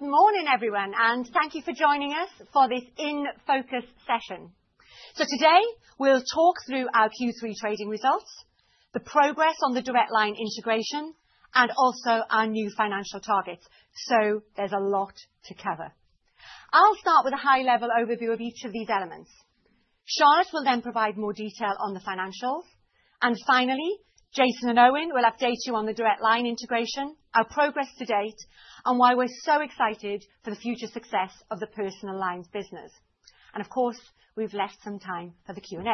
Good morning, everyone, and thank you for joining us for this In focus session. Today we'll talk through our Q3 trading results, the progress on the Direct Line integration, and also our new financial targets. There is a lot to cover. I'll start with a high-level overview of each of these elements. Charlotte will then provide more detail on the financials. Finally, Jason and Owen will update you on the Direct Line integration, our progress to date, and why we're so excited for the future success of the Personal Lines business. Of course, we've left some time for the Q&A.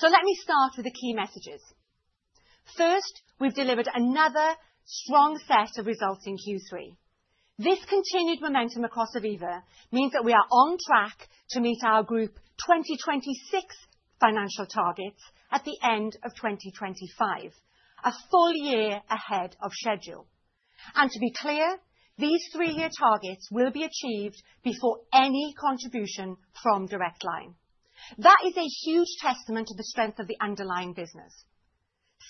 Let me start with the key messages. First, we've delivered another strong set of results in Q3. This continued momentum across Aviva means that we are on track to meet our Group 2026 financial targets at the end of 2025, a full year ahead of schedule. To be clear, these three-year targets will be achieved before any contribution from Direct Line. That is a huge testament to the strength of the underlying business.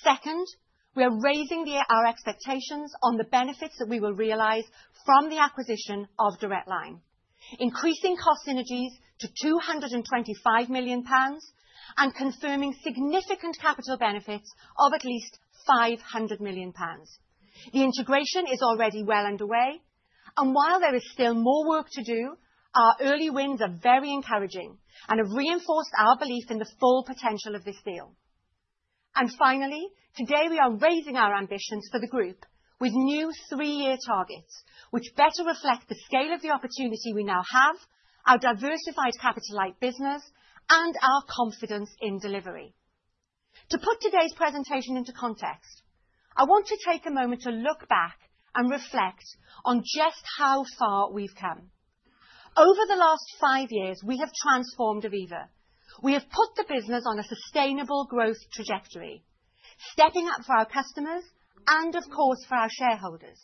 Second, we are raising our expectations on the benefits that we will realize from the acquisition of Direct Line, increasing cost synergies to 225 million pounds and confirming significant capital benefits of at least 500 million pounds. The integration is already well underway, and while there is still more work to do, our early wins are very encouraging and have reinforced our belief in the full potential of this deal. Finally, today we are raising our ambitions for the group with new three-year targets, which better reflect the scale of the opportunity we now have, our diversified capital-light business, and our confidence in delivery. To put today's presentation into context, I want to take a moment to look back and reflect on just how far we've come. Over the last five years, we have transformed Aviva. We have put the business on a sustainable growth trajectory, stepping up for our customers and, of course, for our shareholders,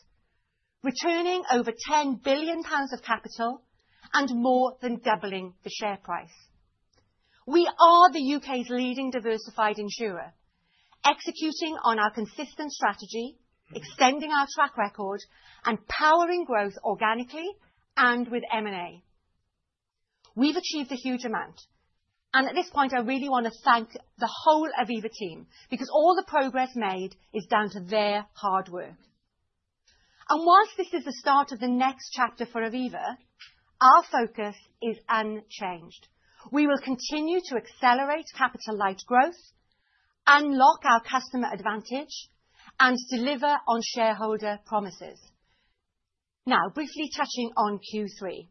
returning over 10 billion pounds of capital and more than doubling the share price. We are the U.K.'s leading diversified insurer, executing on our consistent strategy, extending our track record, and powering growth organically and with M&A. We've achieved a huge amount. At this point, I really want to thank the whole Aviva team because all the progress made is down to their hard work. Whilst this is the start of the next chapter for Aviva, our focus is unchanged. We will continue to accelerate capital-light growth, unlock our customer advantage, and deliver on shareholder promises. Now, briefly touching on Q3,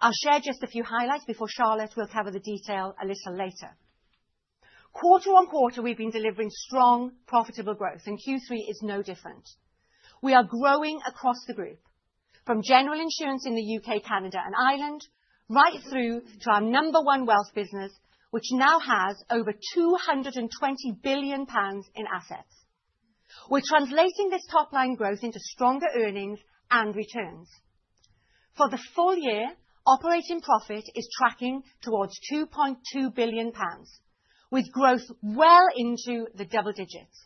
I'll share just a few highlights before Charlotte will cover the detail a little later. Quarter on quarter, we've been delivering strong, profitable growth, and Q3 is no different. We are growing across the group, from General Insurance in the U.K., Canada, and Ireland, right through to our number one wealth business, which now has over 220 billion pounds in assets. We're translating this top-line growth into stronger earnings and returns. For the full year, operating profit is tracking towards 2.2 billion pounds, with growth well into the double digits.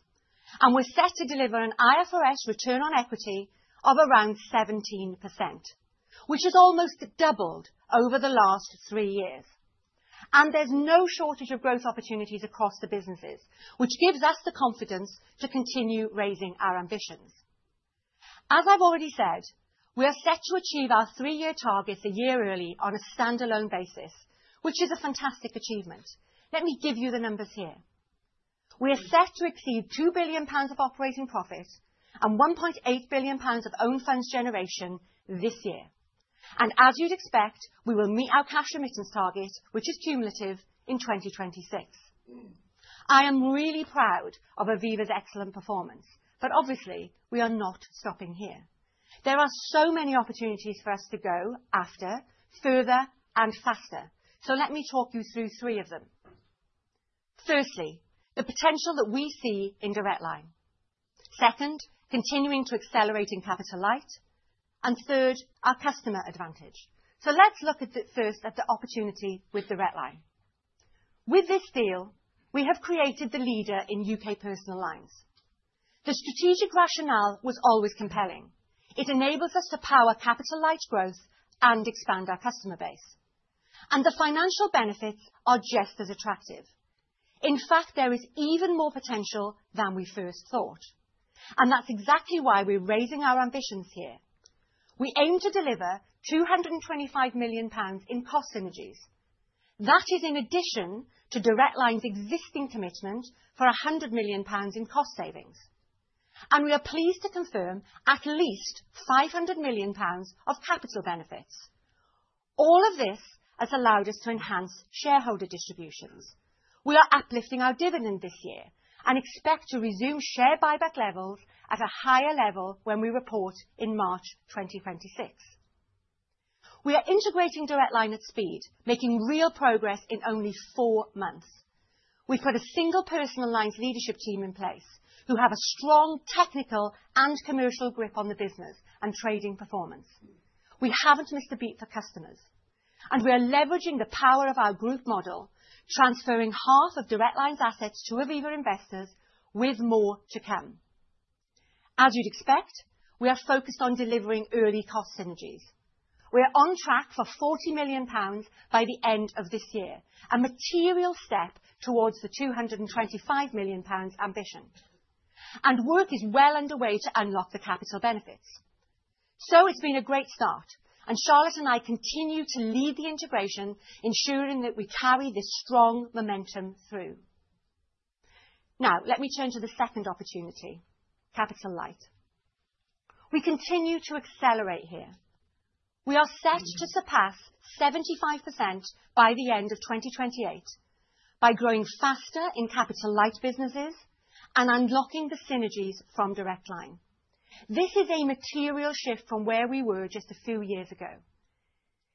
We're set to deliver an IFRS return on equity of around 17%, which is almost doubled over the last three years. There's no shortage of growth opportunities across the businesses, which gives us the confidence to continue raising our ambitions. As I've already said, we are set to achieve our three-year targets a year early on a standalone basis, which is a fantastic achievement. Let me give you the numbers here. We are set to exceed 2 billion pounds of operating profit and 1.8 billion pounds of own funds generation this year. As you'd expect, we will meet our cash remittance target, which is cumulative in 2026. I am really proud of Aviva's excellent performance, but obviously, we are not stopping here. There are so many opportunities for us to go after, further, and faster. Let me talk you through three of them. Firstly, the potential that we see in Direct Line. Second, continuing to accelerate in capital light. Third, our customer advantage. Let's look at the first, at the opportunity with Direct Line. With this deal, we have created the leader in U.K. Personal Lines. The strategic rationale was always compelling. It enables us to power capital-light growth and expand our customer base. The financial benefits are just as attractive. In fact, there is even more potential than we first thought. That is exactly why we are raising our ambitions here. We aim to deliver 225 million pounds in cost synergies. That is in addition to Direct Line's existing commitment for 100 million pounds in cost savings. We are pleased to confirm at least 500 million pounds of capital benefits. All of this has allowed us to enhance shareholder distributions. We are uplifting our dividend this year and expect to resume share buyback levels at a higher level when we report in March 2026. We are integrating Direct Line at speed, making real progress in only four months. We've put a single Personal Lines leadership team in place who have a strong technical and commercial grip on the business and trading performance. We haven't missed a beat for customers, and we are leveraging the power of our group model, transferring half of Direct Line's assets to Aviva Investors with more to come. As you'd expect, we are focused on delivering early cost synergies. We are on track for 40 million pounds by the end of this year, a material step towards the 225 million pounds ambition. Work is well underway to unlock the capital benefits. It has been a great start, and Charlotte and I continue to lead the integration, ensuring that we carry this strong momentum through. Now, let me turn to the second opportunity, capital light. We continue to accelerate here. We are set to surpass 75% by the end of 2028 by growing faster in capital light businesses and unlocking the synergies from Direct Line. This is a material shift from where we were just a few years ago.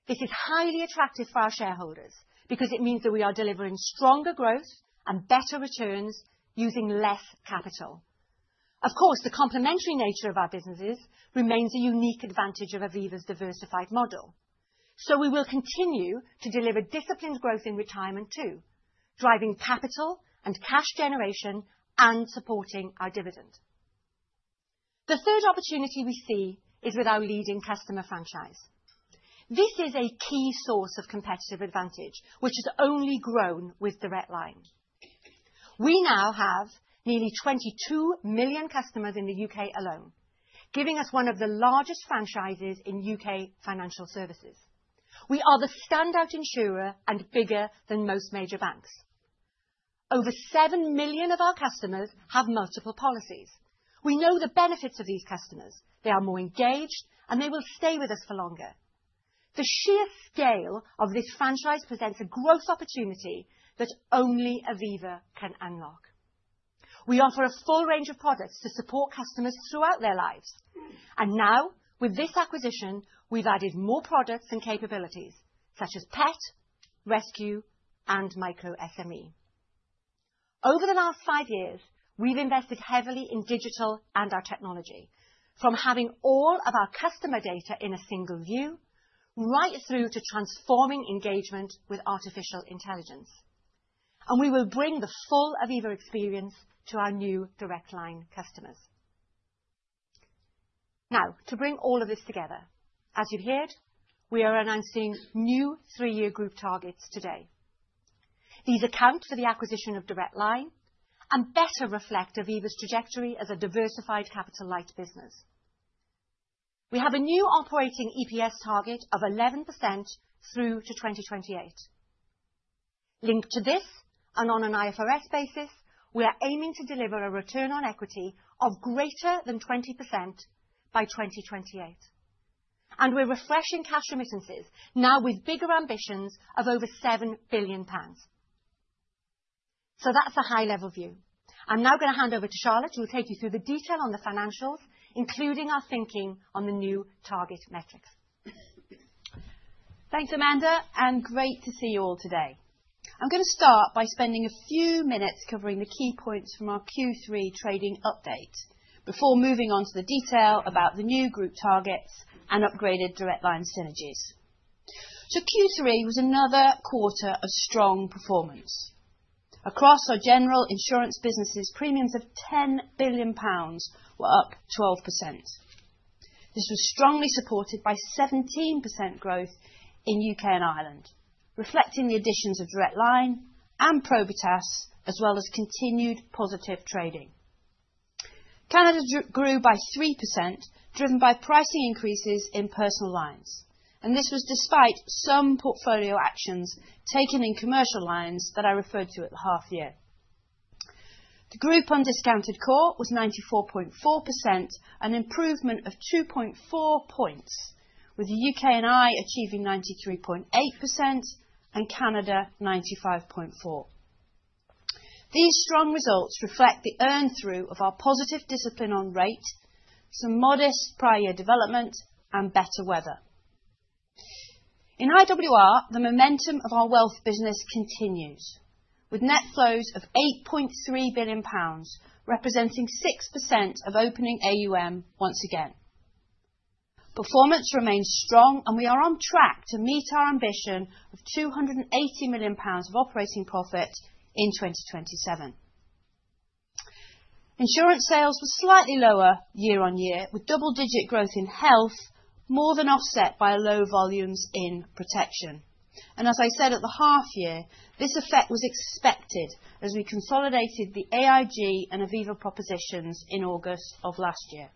This is highly attractive for our shareholders because it means that we are delivering stronger growth and better returns using less capital. Of course, the complementary nature of our businesses remains a unique advantage of Aviva's diversified model. We will continue to deliver disciplined growth in retirement too, driving capital and cash generation and supporting our dividend. The third opportunity we see is with our leading customer franchise. This is a key source of competitive advantage, which has only grown with Direct Line. We now have nearly 22 million customers in the U.K. alone, giving us one of the largest franchises in U.K. financial services. We are the standout insurer and bigger than most major banks. Over 7 million of our customers have multiple policies. We know the benefits of these customers. They are more engaged, and they will stay with us for longer. The sheer scale of this franchise presents a growth opportunity that only Aviva can unlock. We offer a full range of products to support customers throughout their lives. Now, with this acquisition, we've added more products and capabilities such as pet, rescue, and micro-SME. Over the last five years, we've invested heavily in digital and our technology, from having all of our customer data in a single view, right through to transforming engagement with artificial intelligence. We will bring the full Aviva experience to our new Direct Line customers. To bring all of this together, as you heard, we are announcing new three-year group targets today. These account for the acquisition of Direct Line and better reflect Aviva's trajectory as a diversified capital-light business. We have a new operating EPS target of 11% through to 2028. Linked to this, and on an IFRS basis, we are aiming to deliver a return on equity of greater than 20% by 2028. We are refreshing cash remittances now with bigger ambitions of over 7 billion pounds. That is a high-level view. I am now going to hand over to Charlotte, who will take you through the detail on the financials, including our thinking on the new target metrics. Thanks, Amanda, and great to see you all today. I'm going to start by spending a few minutes covering the key points from our Q3 trading update before moving on to the detail about the new group targets and upgraded Direct Line synergies. Q3 was another quarter of strong performance. Across our General Insurance businesses, premiums of 10 billion pounds were up 12%. This was strongly supported by 17% growth in U.K. and Ireland, reflecting the additions of Direct Line and Probitas, as well as continued positive trading. Canada grew by 3%, driven by pricing increases in Personal Lines. This was despite some portfolio actions taken in commercial lines that I referred to at the half year. The group undiscounted COR was 94.4%, an improvement of 2.4 percentage points, with the U.K. and Ireland achieving 93.8% and Canada 95.4%. These strong results reflect the earn-through of our positive discipline on rate, some modest prior year development, and better weather. In IWR, the momentum of our wealth business continues, with net flows of 8.3 billion pounds, representing 6% of opening AUM once again. Performance remains strong, and we are on track to meet our ambition of 280 million pounds of operating profit in 2027. Insurance sales were slightly lower year on year, with double-digit growth in health, more than offset by low volumes in protection. As I said at the half year, this effect was expected as we consolidated the AIG and Aviva propositions in August of last year.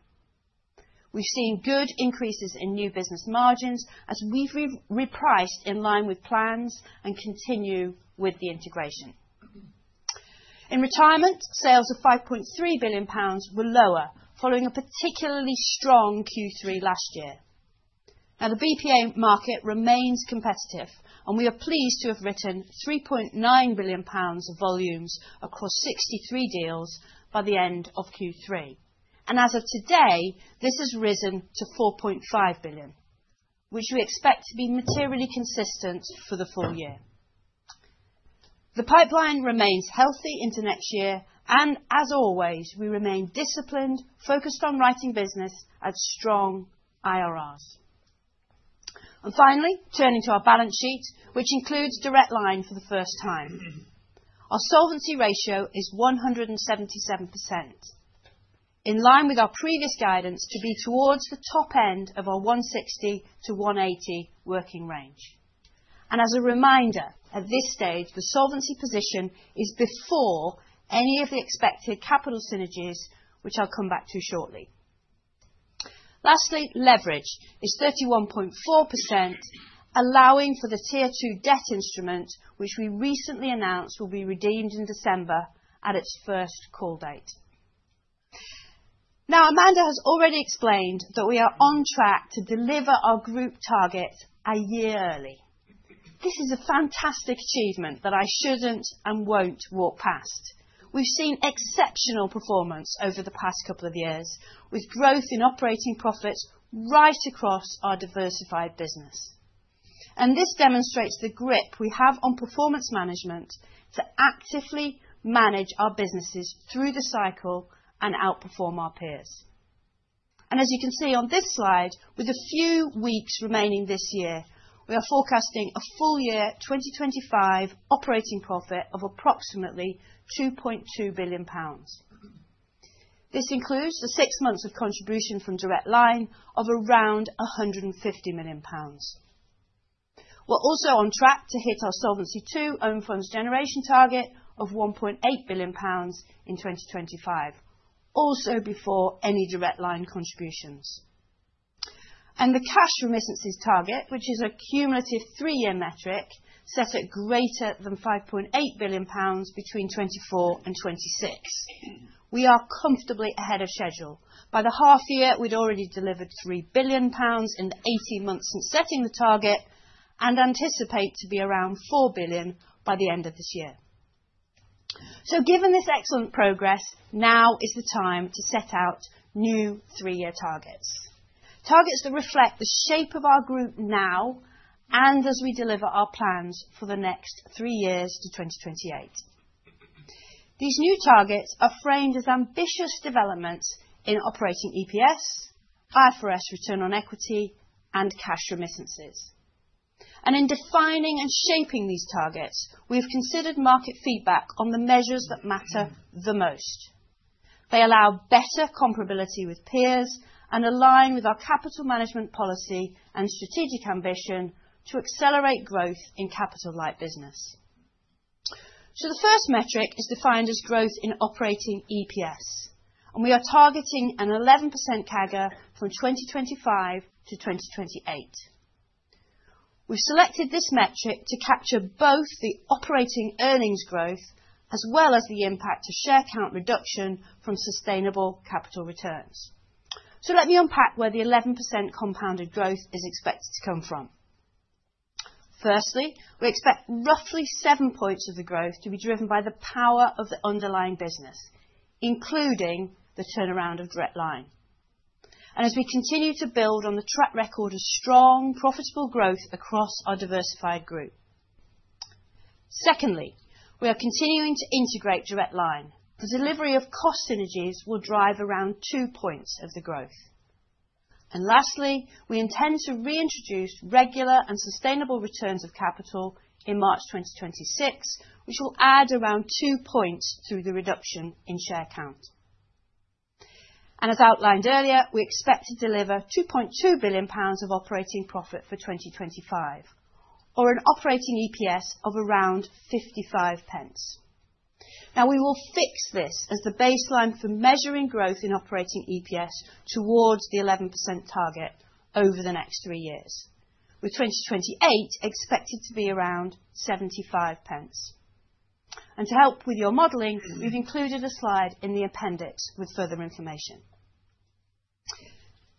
We have seen good increases in new business margins as we have repriced in line with plans and continue with the integration. In retirement, sales of 5.3 billion pounds were lower, following a particularly strong Q3 last year. Now, the BPA market remains competitive, and we are pleased to have written 3.9 billion pounds of volumes across 63 deals by the end of Q3. As of today, this has risen to 4.5 billion, which we expect to be materially consistent for the full year. The pipeline remains healthy into next year, and as always, we remain disciplined, focused on writing business, and strong IRRs. Finally, turning to our balance sheet, which includes Direct Line for the first time. Our solvency ratio is 177%, in line with our previous guidance to be towards the top end of our 160%-180% working range. As a reminder, at this stage, the solvency position is before any of the expected capital synergies, which I'll come back to shortly. Lastly, leverage is 31.4%, allowing for the Tier 2 debt instrument, which we recently announced will be redeemed in December at its first call date. Amanda has already explained that we are on track to deliver our group targets a year early. This is a fantastic achievement that I should not and will not walk past. We have seen exceptional performance over the past couple of years, with growth in operating profits right across our diversified business. This demonstrates the grip we have on performance management to actively manage our businesses through the cycle and outperform our peers. As you can see on this slide, with a few weeks remaining this year, we are forecasting a full year 2025 operating profit of approximately 2.2 billion pounds. This includes the six months of contribution from Direct Line of around 150 million pounds. We're also on track to hit our Solvency II own funds generation target of 1.8 billion pounds in 2025, also before any Direct Line contributions. The cash remittances target, which is a cumulative three-year metric, is set at greater than 5.8 billion pounds between 2024 and 2026. We are comfortably ahead of schedule. By the half year, we'd already delivered 3 billion pounds in the 18 months since setting the target and anticipate to be around 4 billion by the end of this year. Given this excellent progress, now is the time to set out new three-year targets, targets that reflect the shape of our group now and as we deliver our plans for the next three years to 2028. These new targets are framed as ambitious developments in operating EPS, IFRS Return on Equity, and cash remittances. In defining and shaping these targets, we have considered market feedback on the measures that matter the most. They allow better comparability with peers and align with our capital management policy and strategic ambition to accelerate growth in capital-light business. The first metric is defined as growth in operating EPS, and we are targeting an 11% CAGR from 2025 to 2028. We've selected this metric to capture both the operating earnings growth as well as the impact of share count reduction from sustainable capital returns. Let me unpack where the 11% compounded growth is expected to come from. Firstly, we expect roughly seven points of the growth to be driven by the power of the underlying business, including the turnaround of Direct Line. As we continue to build on the track record of strong, profitable growth across our diversified group. Secondly, we are continuing to integrate Direct Line. The delivery of cost synergies will drive around two percentage points of the growth. Lastly, we intend to reintroduce regular and sustainable returns of capital in March 2026, which will add around two points through the reduction in share count. As outlined earlier, we expect to deliver GBP 2.2 billion of operating profit for 2025, or an operating EPS of around 55 pence. We will fix this as the baseline for measuring growth in operating EPS towards the 11% target over the next three years, with 2028 expected to be around 75 pence. To help with your modeling, we have included a slide in the appendix with further information.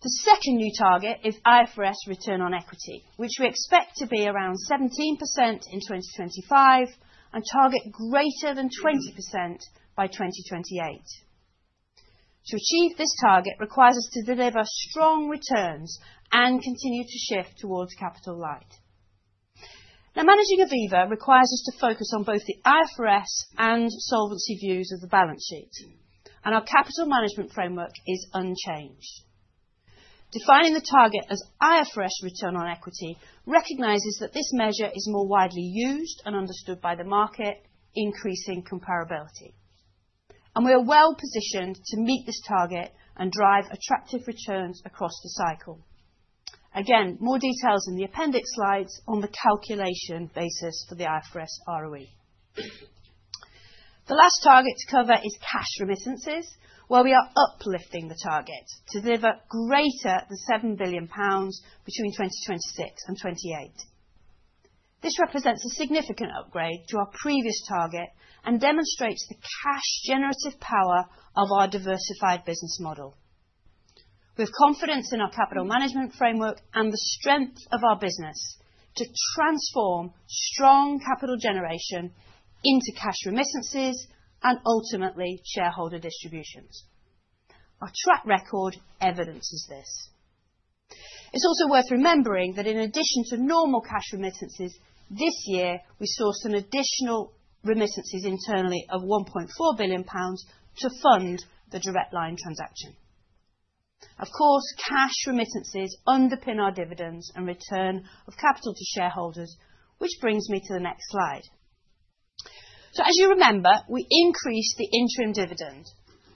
The second new target is IFRS Return on Equity, which we expect to be around 17% in 2025 and target greater than 20% by 2028. To achieve this target requires us to deliver strong returns and continue to shift towards capital light. Now, managing Aviva requires us to focus on both the IFRS and solvency views of the balance sheet, and our capital management framework is unchanged. Defining the target as IFRS Return on Equity recognizes that this measure is more widely used and understood by the market, increasing comparability. We are well positioned to meet this target and drive attractive returns across the cycle. More details in the appendix slides on the calculation basis for the IFRS ROE. The last target to cover is cash remittances, where we are uplifting the target to deliver greater than 7 billion pounds between 2026 and 2028. This represents a significant upgrade to our previous target and demonstrates the cash-generative power of our diversified business model. We have confidence in our capital management framework and the strength of our business to transform strong capital generation into cash remittances and ultimately shareholder distributions. Our track record evidences this. It's also worth remembering that in addition to normal cash remittances, this year we sourced some additional remittances internally of 1.4 billion pounds to fund the Direct Line transaction. Of course, cash remittances underpin our dividends and return of capital to shareholders, which brings me to the next slide. As you remember, we increased the interim dividend,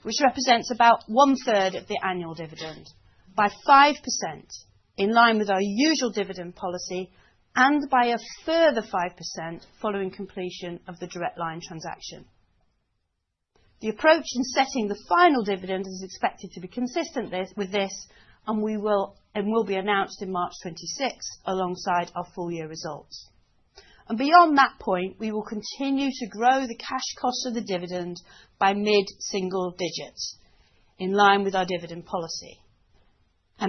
which represents about 1/3 of the annual dividend, by 5% in line with our usual dividend policy and by a further 5% following completion of the Direct Line transaction. The approach in setting the final dividend is expected to be consistent with this, and we will be announced in March 2026 alongside our full year results. Beyond that point, we will continue to grow the cash cost of the dividend by mid-single digits in line with our dividend policy.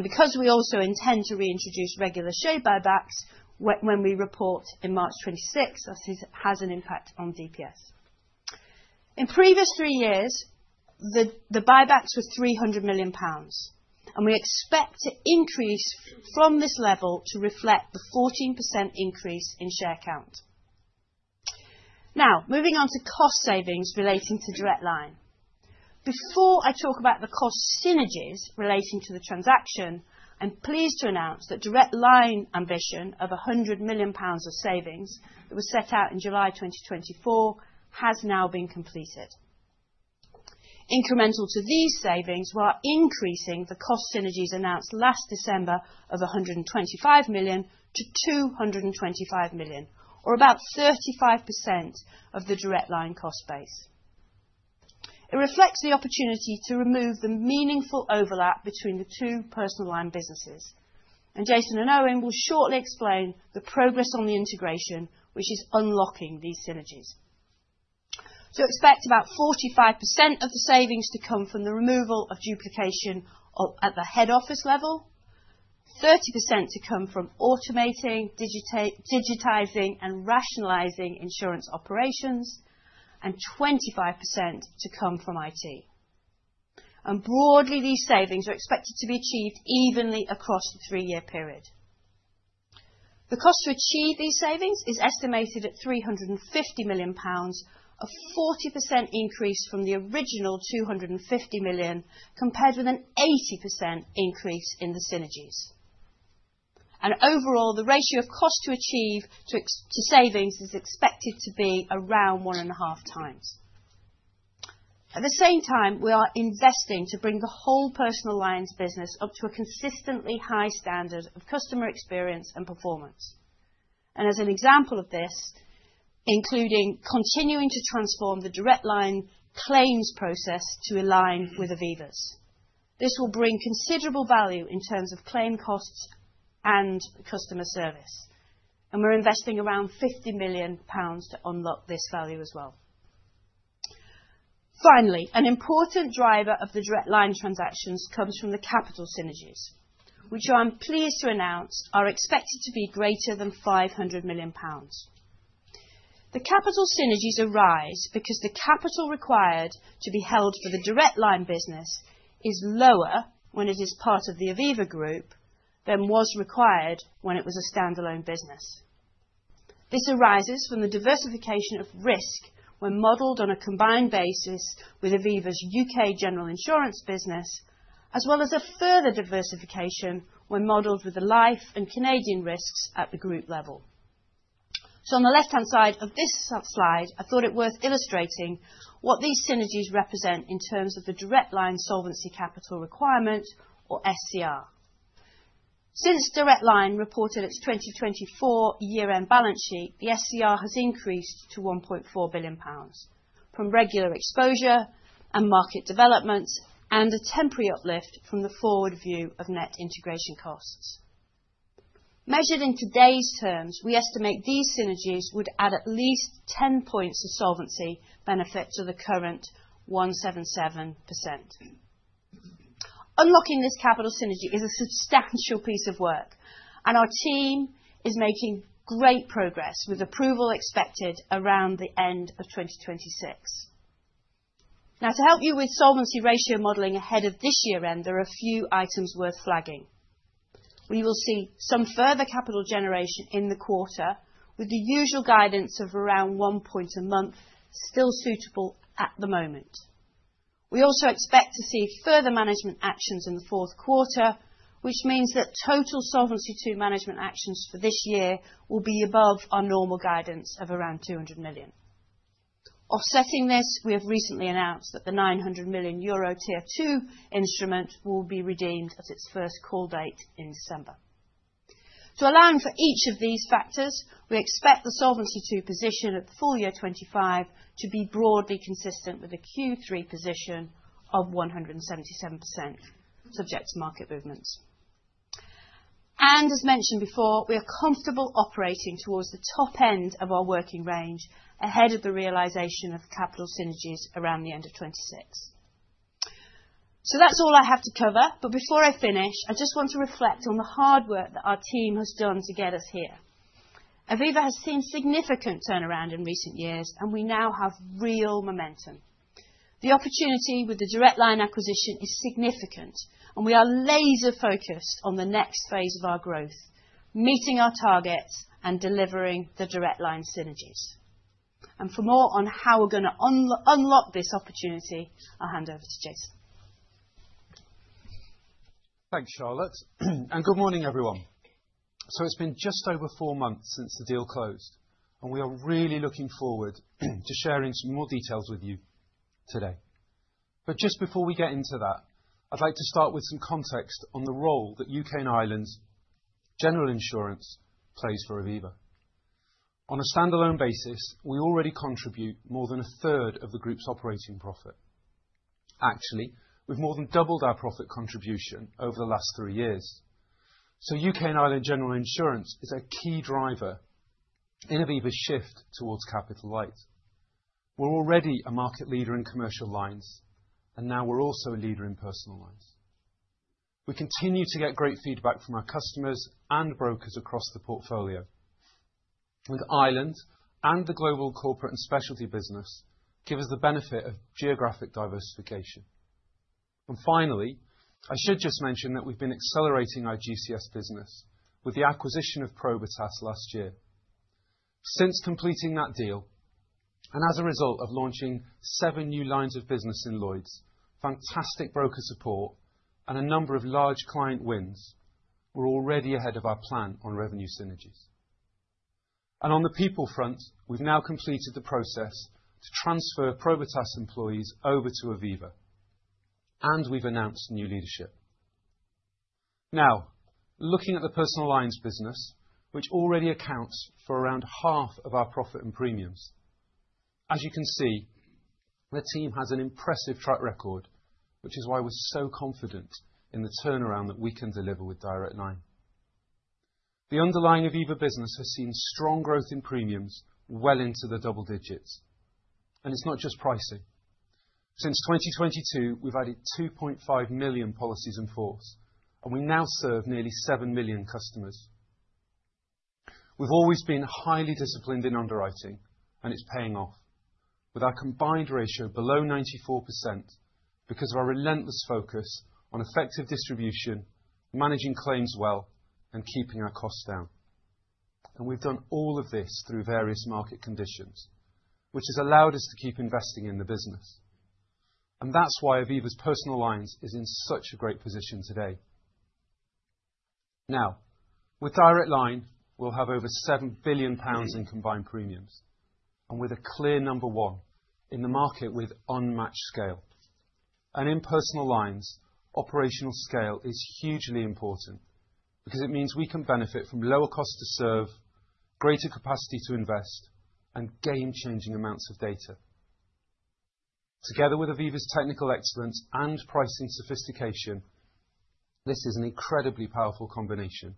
Because we also intend to reintroduce regular share buybacks when we report in March 2026, this has an impact on DPS. In previous three years, the buybacks were 300 million pounds, and we expect to increase from this level to reflect the 14% increase in share count. Now, moving on to cost savings relating to Direct Line. Before I talk about the cost synergies relating to the transaction, I'm pleased to announce that Direct Line ambition of 100 million pounds of savings that was set out in July 2024 has now been completed. Incremental to these savings, we're increasing the cost synergies announced last December of 125 million to 225 million, or about 35% of the Direct Line cost base. It reflects the opportunity to remove the meaningful overlap between the two Personal Line businesses. Jason and Owen will shortly explain the progress on the integration, which is unlocking these synergies. Expect about 45% of the savings to come from the removal of duplication at the head office level, 30% to come from automating, digitizing, and rationalizing insurance operations, and 25% to come from IT. Broadly, these savings are expected to be achieved evenly across the three-year period. The cost to achieve these savings is estimated at 350 million pounds, a 40% increase from the original 250 million, compared with an 80% increase in the synergies. Overall, the ratio of cost to achieve to savings is expected to be around 1.5x. At the same time, we are investing to bring the whole Personal Lines business up to a consistently high standard of customer experience and performance. For example, including continuing to transform the Direct Line claims process to align with Aviva's. This will bring considerable value in terms of claim costs and customer service. We are investing around 50 million pounds to unlock this value as well. Finally, an important driver of the Direct Line transactions comes from the capital synergies, which I am pleased to announce are expected to be greater than 500 million pounds. The capital synergies arise because the capital required to be held for the Direct Line business is lower when it is part of the Aviva Group than was required when it was a standalone business. This arises from the diversification of risk when modeled on a combined basis with Aviva's U.K. General Insurance business, as well as a further diversification when modeled with the life and Canadian risks at the group level. On the left-hand side of this slide, I thought it worth illustrating what these synergies represent in terms of the Direct Line Solvency Capital Requirement, or SCR. Since Direct Line reported its 2024 year-end balance sheet, the SCR has increased to 1.4 billion pounds from regular exposure and market developments and a temporary uplift from the forward view of net integration costs. Measured in today's terms, we estimate these synergies would add at least 10 points of solvency benefit to the current 177%. Unlocking this capital synergy is a substantial piece of work, and our team is making great progress with approval expected around the end of 2026. Now, to help you with solvency ratio modeling ahead of this year-end, there are a few items worth flagging. We will see some further capital generation in the quarter with the usual guidance of around one point a month, still suitable at the moment. We also expect to see further management actions in the fourth quarter, which means that total Solvency II management actions for this year will be above our normal guidance of around 200 million. Offsetting this, we have recently announced that the 900 million euro Tier 2 instrument will be redeemed at its first call date in December. Allowing for each of these factors, we expect the Solvency II position at the full year 2025 to be broadly consistent with a Q3 position of 177%, subject to market movements. As mentioned before, we are comfortable operating towards the top end of our working range ahead of the realization of capital synergies around the end of 2026. That is all I have to cover, but before I finish, I just want to reflect on the hard work that our team has done to get us here. Aviva has seen significant turnaround in recent years, and we now have real momentum. The opportunity with the Direct Line acquisition is significant, and we are laser-focused on the next phase of our growth, meeting our targets and delivering the Direct Line synergies. For more on how we are going to unlock this opportunity, I will hand over to Jason. Thanks, Charlotte. Good morning, everyone. It has been just over four months since the deal closed, and we are really looking forward to sharing some more details with you today. Just before we get into that, I'd like to start with some context on the role that U.K. and Ireland's General Insurance plays for Aviva. On a standalone basis, we already contribute more than a third of the group's operating profit. Actually, we've more than doubled our profit contribution over the last three years. U.K. and Ireland General Insurance is a key driver in Aviva's shift towards capital light. We're already a market leader in commercial lines, and now we're also a leader in Personal Lines. We continue to get great feedback from our customers and brokers across the portfolio. Ireland and the global corporate and specialty business give us the benefit of geographic diversification. Finally, I should just mention that we've been accelerating our GCS business with the acquisition of Probitas last year. Since completing that deal and as a result of launching seven new lines of business in Lloyds, fantastic broker support, and a number of large client wins, we are already ahead of our plan on revenue synergies. On the people front, we have now completed the process to transfer Probitas employees over to Aviva, and we have announced new leadership. Now, looking at the Personal Lines business, which already accounts for around half of our profit and premiums, as you can see, the team has an impressive track record, which is why we are so confident in the turnaround that we can deliver with Direct Line. The underlying Aviva business has seen strong growth in premiums well into the double digits. It is not just pricing. Since 2022, we have added 2.5 million policies in force, and we now serve nearly 7 million customers. have always been highly disciplined in underwriting, and it is paying off with our combined ratio below 94% because of our relentless focus on effective distribution, managing claims well, and keeping our costs down. We have done all of this through various market conditions, which has allowed us to keep investing in the business. That is why Aviva's Personal Lines is in such a great position today. Now, with Direct Line, we will have over 7 billion pounds in combined premiums and a clear number one in the market with unmatched scale. In Personal Lines, operational scale is hugely important because it means we can benefit from lower cost to serve, greater capacity to invest, and game-changing amounts of data. Together with Aviva's technical excellence and pricing sophistication, this is an incredibly powerful combination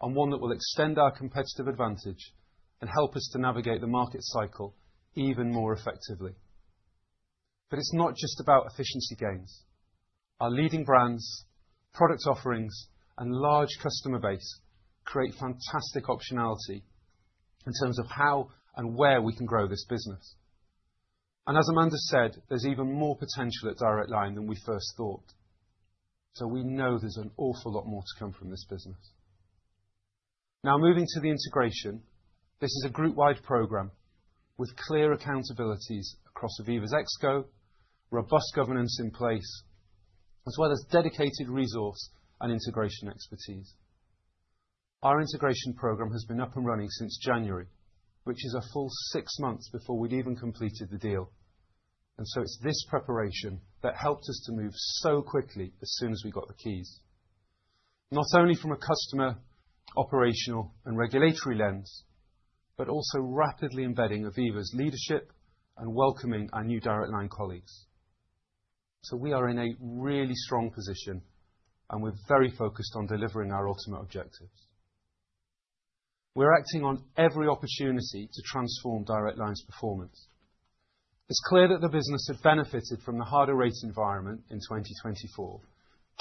and one that will extend our competitive advantage and help us to navigate the market cycle even more effectively. It is not just about efficiency gains. Our leading brands, product offerings, and large customer base create fantastic optionality in terms of how and where we can grow this business. As Amanda said, there is even more potential at Direct Line than we first thought. We know there is an awful lot more to come from this business. Now, moving to the integration, this is a group-wide program with clear accountabilities across Aviva's ExCo, robust governance in place, as well as dedicated resource and integration expertise. Our integration program has been up and running since January, which is a full six months before we had even completed the deal. It is this preparation that helped us to move so quickly as soon as we got the keys, not only from a customer, operational, and regulatory lens, but also rapidly embedding Aviva's leadership and welcoming our new Direct Line colleagues. We are in a really strong position, and we are very focused on delivering our ultimate objectives. We are acting on every opportunity to transform Direct Line's performance. It is clear that the business had benefited from the harder rate environment in 2024,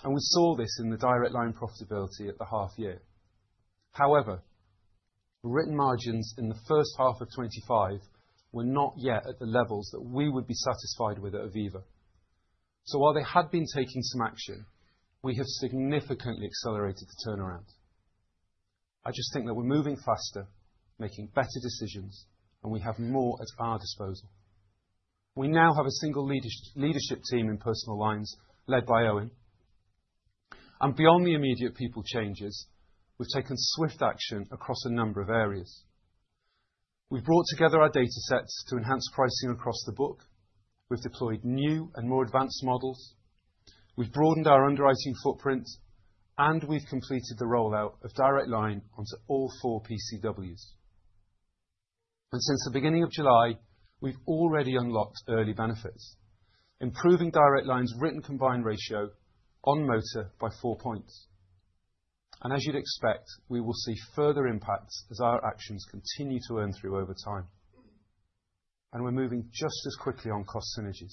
and we saw this in the Direct Line profitability at the half year. However, written margins in the first half of 2025 were not yet at the levels that we would be satisfied with at Aviva. While they had been taking some action, we have significantly accelerated the turnaround. I just think that we are moving faster, making better decisions, and we have more at our disposal. We now have a single leadership team in Personal Lines led by Owen. Beyond the immediate people changes, we have taken swift action across a number of areas. We have brought together our data sets to enhance pricing across the book. We have deployed new and more advanced models. We have broadened our underwriting footprint, and we have completed the rollout of Direct Line onto all four PCWs. Since the beginning of July, we have already unlocked early benefits, improving Direct Line's written combined ratio on motor by four points. As you would expect, we will see further impacts as our actions continue to earn through over time. We are moving just as quickly on cost synergies.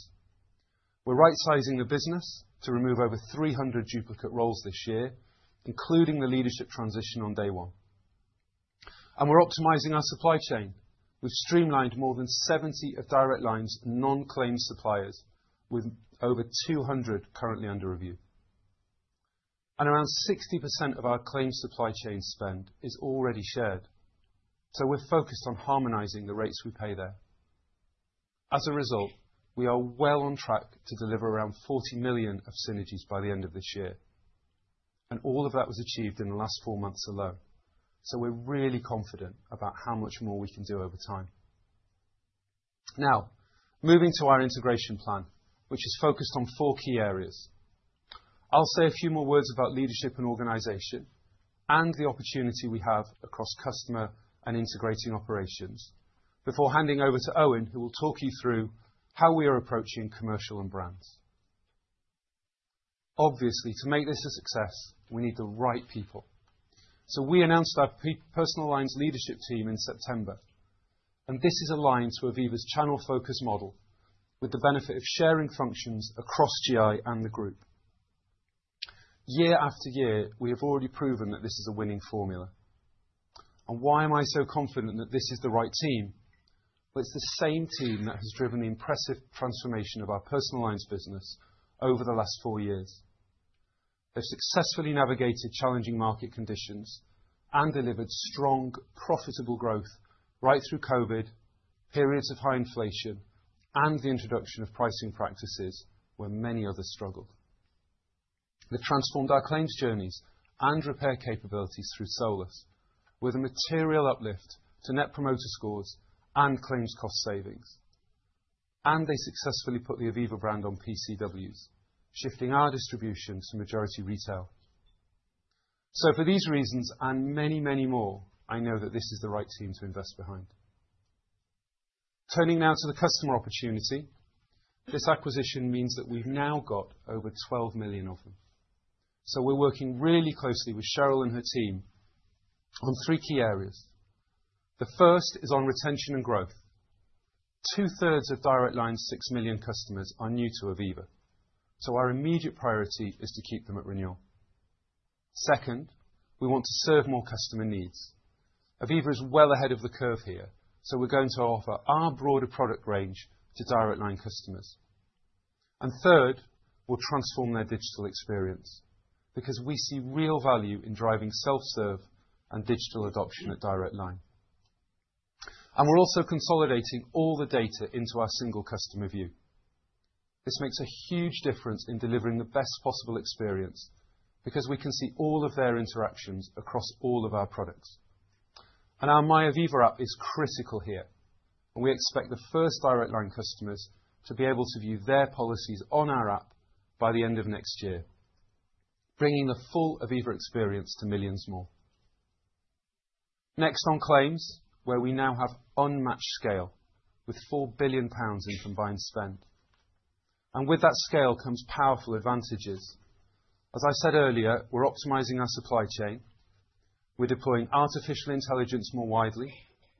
We are right-sizing the business to remove over 300 duplicate roles this year, including the leadership transition on day one. We are optimizing our supply chain. have streamlined more than 70 of Direct Line's non-claim suppliers with over 200 currently under review. Around 60% of our claim supply chain spend is already shared. We are focused on harmonizing the rates we pay there. As a result, we are well on track to deliver around 40 million of synergies by the end of this year. All of that was achieved in the last four months alone. We are really confident about how much more we can do over time. Now, moving to our integration plan, which is focused on four key areas. I will say a few more words about leadership and organization and the opportunity we have across customer and integrating operations before handing over to Owen, who will talk you through how we are approaching commercial and brands. Obviously, to make this a success, we need the right people. We announced our Personal Lines leadership team in September, and this is aligned to Aviva's channel-focused model with the benefit of sharing functions across GI and the group. Year after year, we have already proven that this is a winning formula. Why am I so confident that this is the right team? It is the same team that has driven the impressive transformation of our Personal Lines business over the last four years. They have successfully navigated challenging market conditions and delivered strong, profitable growth right through COVID, periods of high inflation, and the introduction of pricing practices where many others struggled. They have transformed our claims journeys and repair capabilities through Solus with a material uplift to net promoter scores and claims cost savings. They successfully put the Aviva brand on PCWs, shifting our distribution to majority retail. For these reasons and many, many more, I know that this is the right team to invest behind. Turning now to the customer opportunity, this acquisition means that we have now got over 12 million of them. We are working really closely with Cheryl and her team on three key areas. The first is on retention and growth. 2/3 of Direct Line's 6 million customers are new to Aviva, so our immediate priority is to keep them at renewal. Second, we want to serve more customer needs. Aviva is well ahead of the curve here, so we are going to offer our broader product range to Direct Line customers. Third, we will transform their digital experience because we see real value in driving self-serve and digital adoption at Direct Line. We are also consolidating all the data into our single customer view. This makes a huge difference in delivering the best possible experience because we can see all of their interactions across all of our products. Our MyAviva app is critical here, and we expect the first Direct Line customers to be able to view their policies on our app by the end of next year, bringing the full Aviva experience to millions more. Next, on claims, where we now have unmatched scale with 4 billion pounds in combined spend. With that scale comes powerful advantages. As I said earlier, we are optimizing our supply chain. We are deploying artificial intelligence more widely,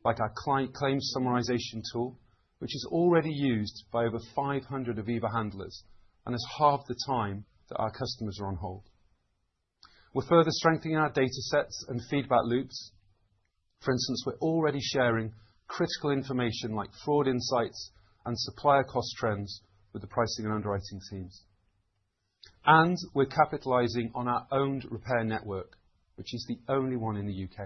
like our client claims summarization tool, which is already used by over 500 Aviva handlers and is halving the time that our customers are on hold. We are further strengthening our data sets and feedback loops. For instance, we're already sharing critical information like fraud insights and supplier cost trends with the pricing and underwriting teams. We are capitalizing on our owned repair network, which is the only one in the U.K.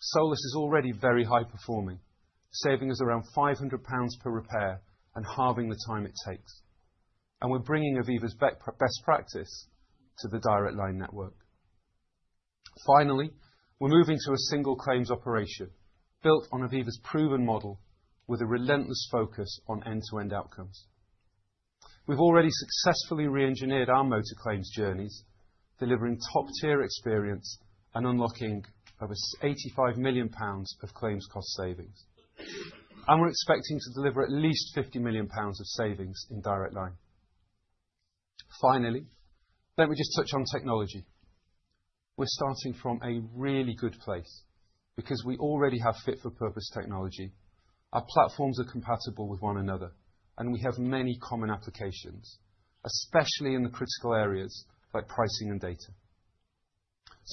Solus is already very high-performing, saving us around 500 pounds per repair and halving the time it takes. We are bringing Aviva's best practice to the Direct Line network. Finally, we are moving to a single claims operation built on Aviva's proven model with a relentless focus on end-to-end outcomes. We have already successfully re-engineered our motor claims journeys, delivering top-tier experience and unlocking over 85 million pounds of claims cost savings. We are expecting to deliver at least 50 million pounds of savings in Direct Line. Finally, let me just touch on technology. We are starting from a really good place because we already have fit-for-purpose technology. Our platforms are compatible with one another, and we have many common applications, especially in the critical areas like pricing and data.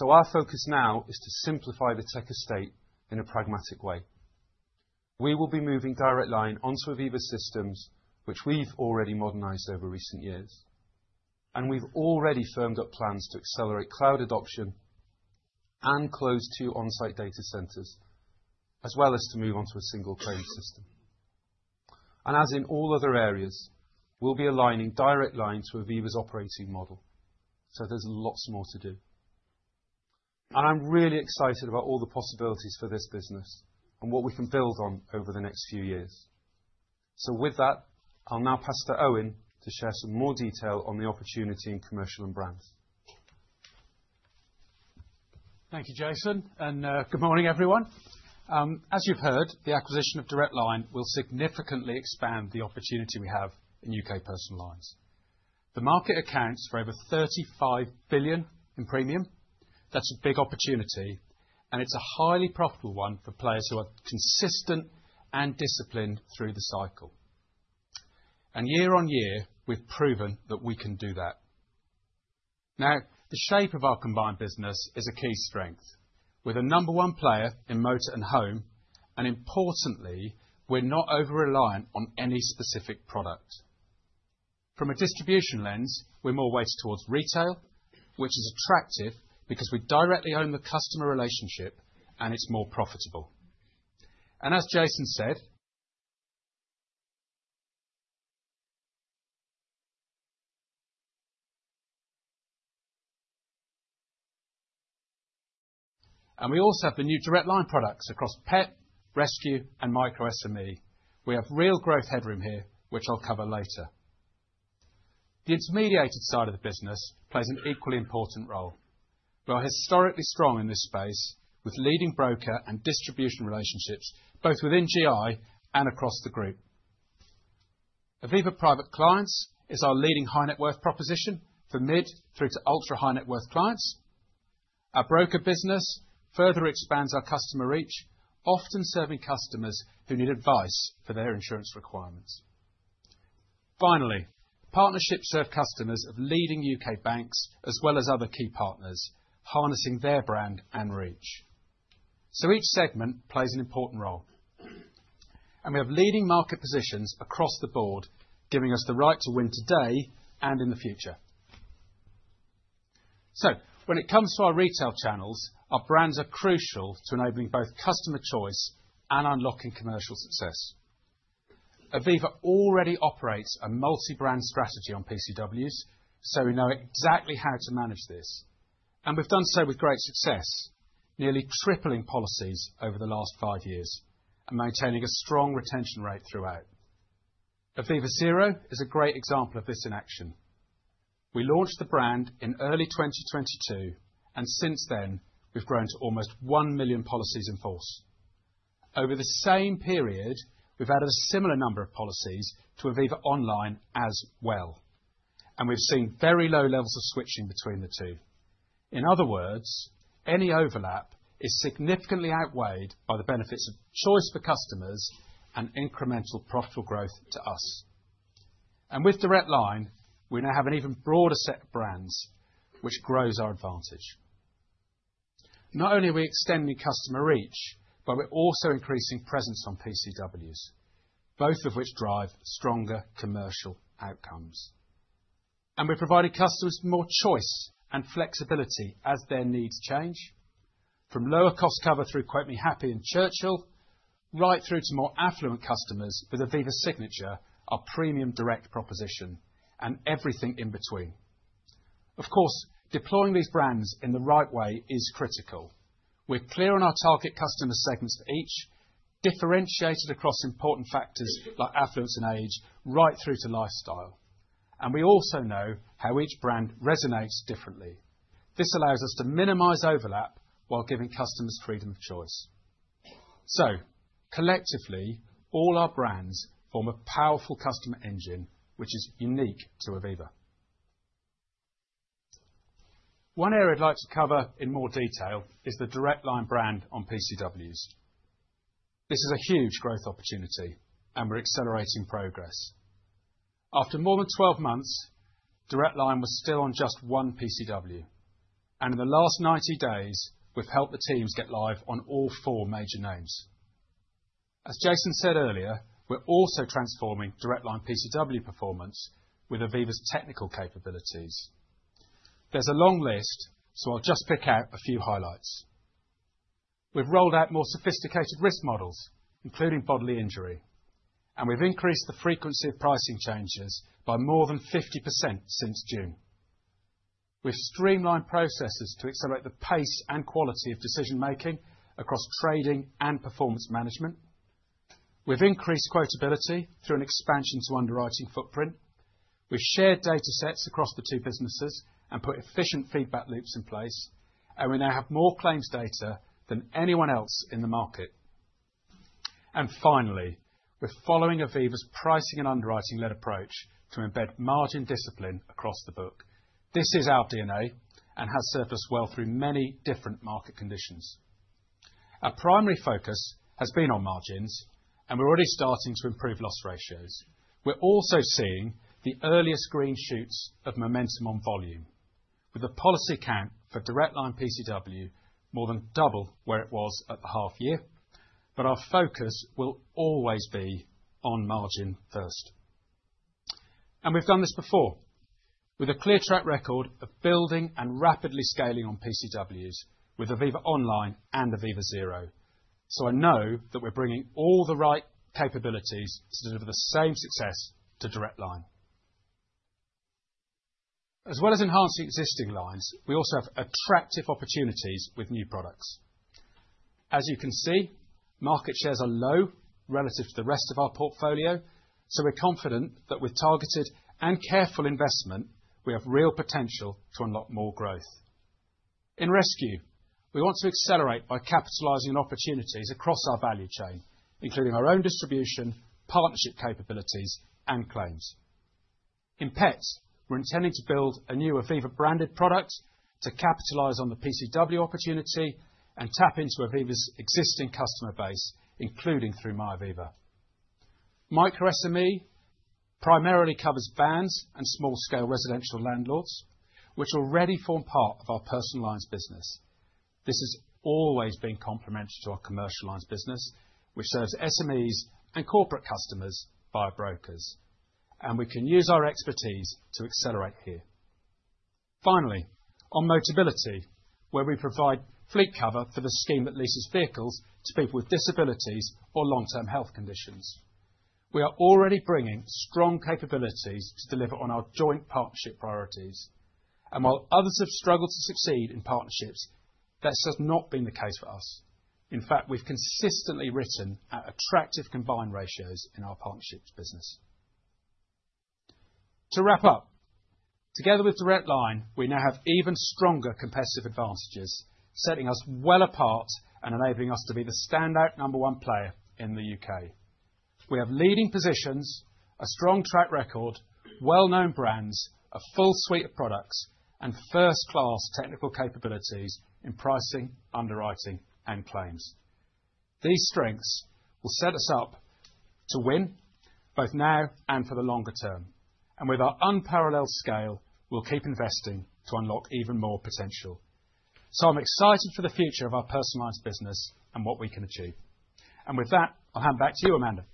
Our focus now is to simplify the tech estate in a pragmatic way. We will be moving Direct Line onto Aviva systems, which we have already modernized over recent years. We have already firmed up plans to accelerate cloud adoption and close two on-site data centers, as well as to move on to a single claim system. As in all other areas, we will be aligning Direct Line to Aviva's operating model. There is lots more to do. I am really excited about all the possibilities for this business and what we can build on over the next few years. With that, I will now pass to Owen to share some more detail on the opportunity in commercial and brands. Thank you, Jason. Good morning, everyone. As you've heard, the acquisition of Direct Line will significantly expand the opportunity we have in U.K. Personal Lines. The market accounts for over 35 billion in premium. That's a big opportunity, and it's a highly profitable one for players who are consistent and disciplined through the cycle. Year on year, we've proven that we can do that. Now, the shape of our combined business is a key strength, with a number one player in motor and home, and importantly, we're not over-reliant on any specific product. From a distribution lens, we're more weighted towards retail, which is attractive because we directly own the customer relationship, and it's more profitable. As Jason said, we also have the new Direct Line products across pet, rescue, and micro-SME. We have real growth headroom here, which I'll cover later. The intermediated side of the business plays an equally important role. We are historically strong in this space with leading broker and distribution relationships both within GI and across the group. Aviva Private Clients is our leading high-net-worth proposition for mid through to ultra-high-net-worth clients. Our broker business further expands our customer reach, often serving customers who need advice for their insurance requirements. Finally, partnerships serve customers of leading U.K. banks as well as other key partners, harnessing their brand and reach. Each segment plays an important role. We have leading market positions across the board, giving us the right to win today and in the future. When it comes to our retail channels, our brands are crucial to enabling both customer choice and unlocking commercial success. Aviva already operates a multi-brand strategy on PCWs, so we know exactly how to manage this. We have done so with great success, nearly tripling policies over the last five years and maintaining a strong retention rate throughout. Aviva Zero is a great example of this in action. We launched the brand in early 2022, and since then, we have grown to almost 1 million policies in force. Over the same period, we have added a similar number of policies to Aviva Online as well. We have seen very low levels of switching between the two. In other words, any overlap is significantly outweighed by the benefits of choice for customers and incremental profitable growth to us. With Direct Line, we now have an even broader set of brands, which grows our advantage. Not only are we extending customer reach, but we are also increasing presence on PCWs, both of which drive stronger commercial outcomes. We have provided customers with more choice and flexibility as their needs change. From lower-cost cover through Quotemehappy and Churchill, right through to more affluent customers with Aviva Signature, our premium direct proposition, and everything in between. Of course, deploying these brands in the right way is critical. We're clear on our target customer segments for each, differentiated across important factors like affluence and age, right through to lifestyle. We also know how each brand resonates differently. This allows us to minimize overlap while giving customers freedom of choice. Collectively, all our brands form a powerful customer engine, which is unique to Aviva. One area I'd like to cover in more detail is the Direct Line brand on PCWs. This is a huge growth opportunity, and we're accelerating progress. After more than 12 months, Direct Line was still on just one PCW. In the last 90 days, we've helped the teams get live on all four major names. As Jason said earlier, we're also transforming Direct Line PCW performance with Aviva's technical capabilities. There's a long list, so I'll just pick out a few highlights. We've rolled out more sophisticated risk models, including bodily injury. We've increased the frequency of pricing changes by more than 50% since June. We've streamlined processes to accelerate the pace and quality of decision-making across trading and performance management. We've increased quotability through an expansion to underwriting footprint. We've shared data sets across the two businesses and put efficient feedback loops in place. We now have more claims data than anyone else in the market. Finally, we're following Aviva's pricing and underwriting-led approach to embed margin discipline across the book. This is our DNA and has served us well through many different market conditions. Our primary focus has been on margins, and we're already starting to improve loss ratios. We're also seeing the earliest green shoots of momentum on volume, with the policy count for Direct Line PCW more than double where it was at the half-year. Our focus will always be on margin first. We have done this before, with a clear track record of building and rapidly scaling on PCWs with Aviva Online and Aviva Zero. I know that we are bringing all the right capabilities to deliver the same success to Direct Line. As well as enhancing existing lines, we also have attractive opportunities with new products. As you can see, market shares are low relative to the rest of our portfolio, so we are confident that with targeted and careful investment, we have real potential to unlock more growth. In rescue, we want to accelerate by capitalizing on opportunities across our value chain, including our own distribution, partnership capabilities, and claims. In pet, we're intending to build a new Aviva-branded product to capitalize on the PCW opportunity and tap into Aviva's existing customer base, including through MyAviva. Micro-SME primarily covers bands and small-scale residential landlords, which already form part of our Personal Lines business. This has always been complementary to our Commercial Lines business, which serves SMEs and corporate customers via brokers. We can use our expertise to accelerate here. Finally, on Motability, where we provide fleet cover for the scheme that leases vehicles to people with disabilities or long-term health conditions. We are already bringing strong capabilities to deliver on our joint partnership priorities. While others have struggled to succeed in partnerships, that's just not been the case for us. In fact, we've consistently written at attractive combined ratios in our partnerships business. To wrap up, together with Direct Line, we now have even stronger competitive advantages, setting us well apart and enabling us to be the standout number one player in the U.K. We have leading positions, a strong track record, well-known brands, a full suite of products, and first-class technical capabilities in pricing, underwriting, and claims. These strengths will set us up to win both now and for the longer term. With our unparalleled scale, we'll keep investing to unlock even more potential. I'm excited for the future of our personalized business and what we can achieve. With that, I'll hand back to you, Amanda.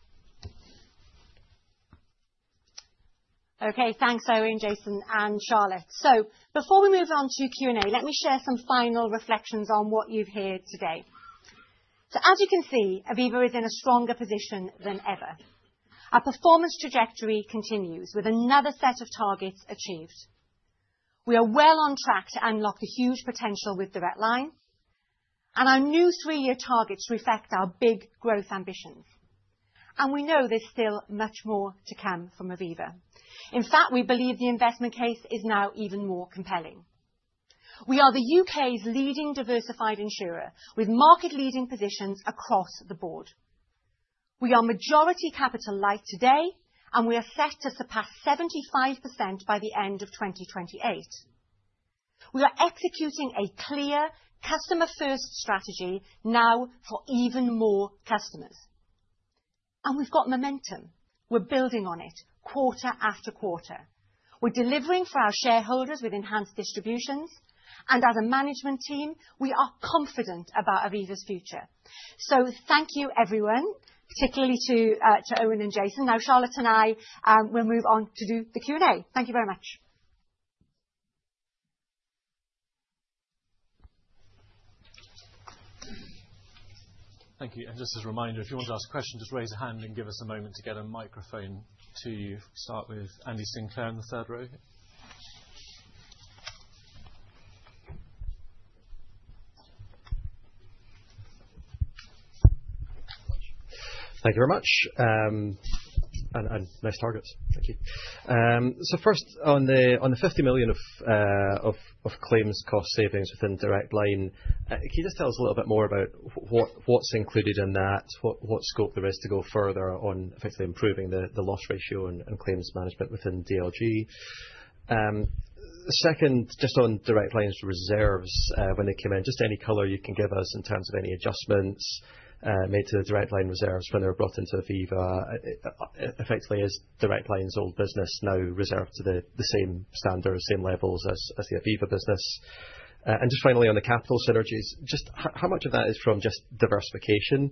Okay, thanks, Owen, Jason, and Charlotte. Before we move on to Q&A, let me share some final reflections on what you've heard today. As you can see, Aviva is in a stronger position than ever. Our performance trajectory continues with another set of targets achieved. We are well on track to unlock the huge potential with Direct Line. Our new three-year targets reflect our big growth ambitions. We know there's still much more to come from Aviva. In fact, we believe the investment case is now even more compelling. We are the U.K.'s leading diversified insurer with market-leading positions across the board. We are majority capital-light today, and we are set to surpass 75% by the end of 2028. We are executing a clear customer-first strategy now for even more customers. We've got momentum. We're building on it quarter after quarter. We're delivering for our shareholders with enhanced distributions. As a management team, we are confident about Aviva's future. Thank you, everyone, particularly to Owen and Jason. Now, Charlotte and I will move on to do the Q&A. Thank you very much. Thank you. Just as a reminder, if you want to ask a question, just raise a hand and give us a moment to get a microphone to you. We'll start with Andy Sinclair in the third row. Thank you very much. Nice targets. Thank you. First, on the 50 million of claims cost savings within Direct Line, can you just tell us a little bit more about what's included in that, what scope there is to go further on effectively improving the loss ratio and claims management within DLG? Second, just on Direct Line's reserves when they came in, any color you can give us in terms of any adjustments made to the Direct Line reserves when they were brought into Aviva, effectively as Direct Line's old business now reserved to the same standards, same levels as the Aviva business? Just finally, on the capital synergies, just how much of that is from just diversification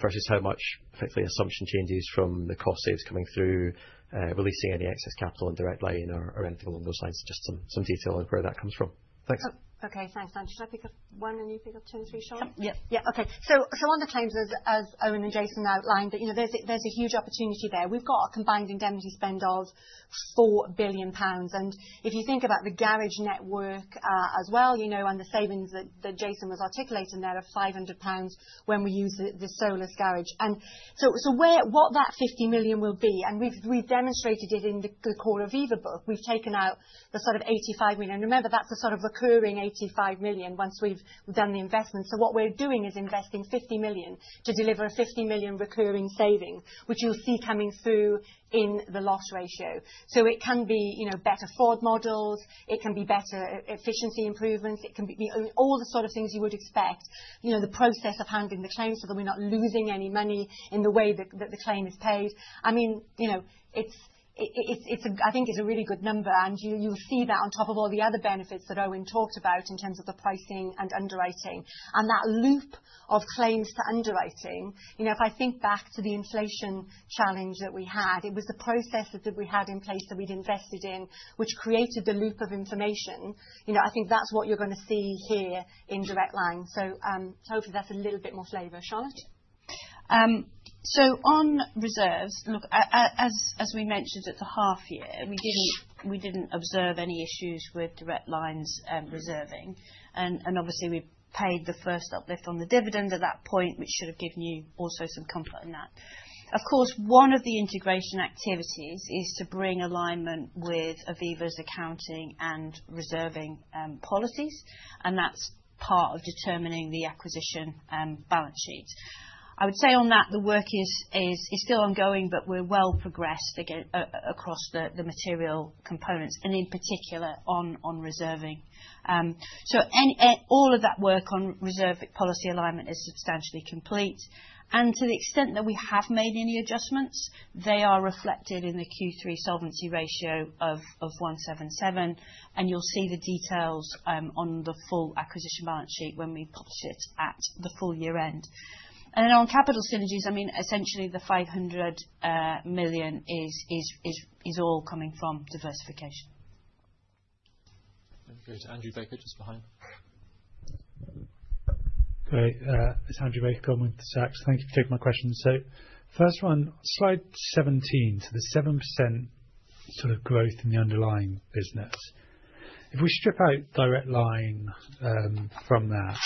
versus how much effectively assumption changes from the cost saves coming through, releasing any excess capital on Direct Line or anything along those lines, just some detail on where that comes from. Thanks. Okay, thanks. Should I pick up one and you pick up two and three, Charlotte? Yep. Yeah. Okay. On the claims as Owen and Jason outlined, there's a huge opportunity there. We've got a combined indemnity spend of 4 billion pounds. If you think about the garage network as well, you know, on the savings that Jason was articulating there of 500 pounds when we use the Solus garage. What that 50 million will be, and we've demonstrated it in the core Aviva book, we've taken out the sort of 85 million. Remember, that's a sort of recurring 85 million once we've done the investment. What we're doing is investing 50 million to deliver a 50 million recurring saving, which you'll see coming through in the loss ratio. It can be better fraud models, it can be better efficiency improvements, it can be all the sort of things you would expect, the process of handling the claims so that we're not losing any money in the way that the claim is paid. I mean, I think it's a really good number. You'll see that on top of all the other benefits that Owen talked about in terms of the pricing and underwriting. That loop of claims to underwriting, if I think back to the inflation challenge that we had, it was the processes that we had in place that we'd invested in, which created the loop of information. I think that's what you're going to see here in Direct Line. Hopefully that's a little bit more flavor. Charlotte? On reserves, look, as we mentioned at the half-year, we did not observe any issues with Direct Line's reserving. Obviously, we paid the first uplift on the dividend at that point, which should have given you also some comfort in that. Of course, one of the integration activities is to bring alignment with Aviva's accounting and reserving policies. That is part of determining the acquisition balance sheet. I would say on that, the work is still ongoing, but we are well progressed across the material components, and in particular on reserving. All of that work on reserve policy alignment is substantially complete. To the extent that we have made any adjustments, they are reflected in the Q3 solvency ratio of 177%. You will see the details on the full acquisition balance sheet when we publish it at the full year-end. On capital synergies, I mean, essentially the 500 million is all coming from diversification. Thank you. Andrew Baker just behind. Great. It's Andrew Baker, Goldman Sachs. Thank you for taking my questions. First one, slide 17, the 7% sort of growth in the underlying business. If we strip out Direct Line from that,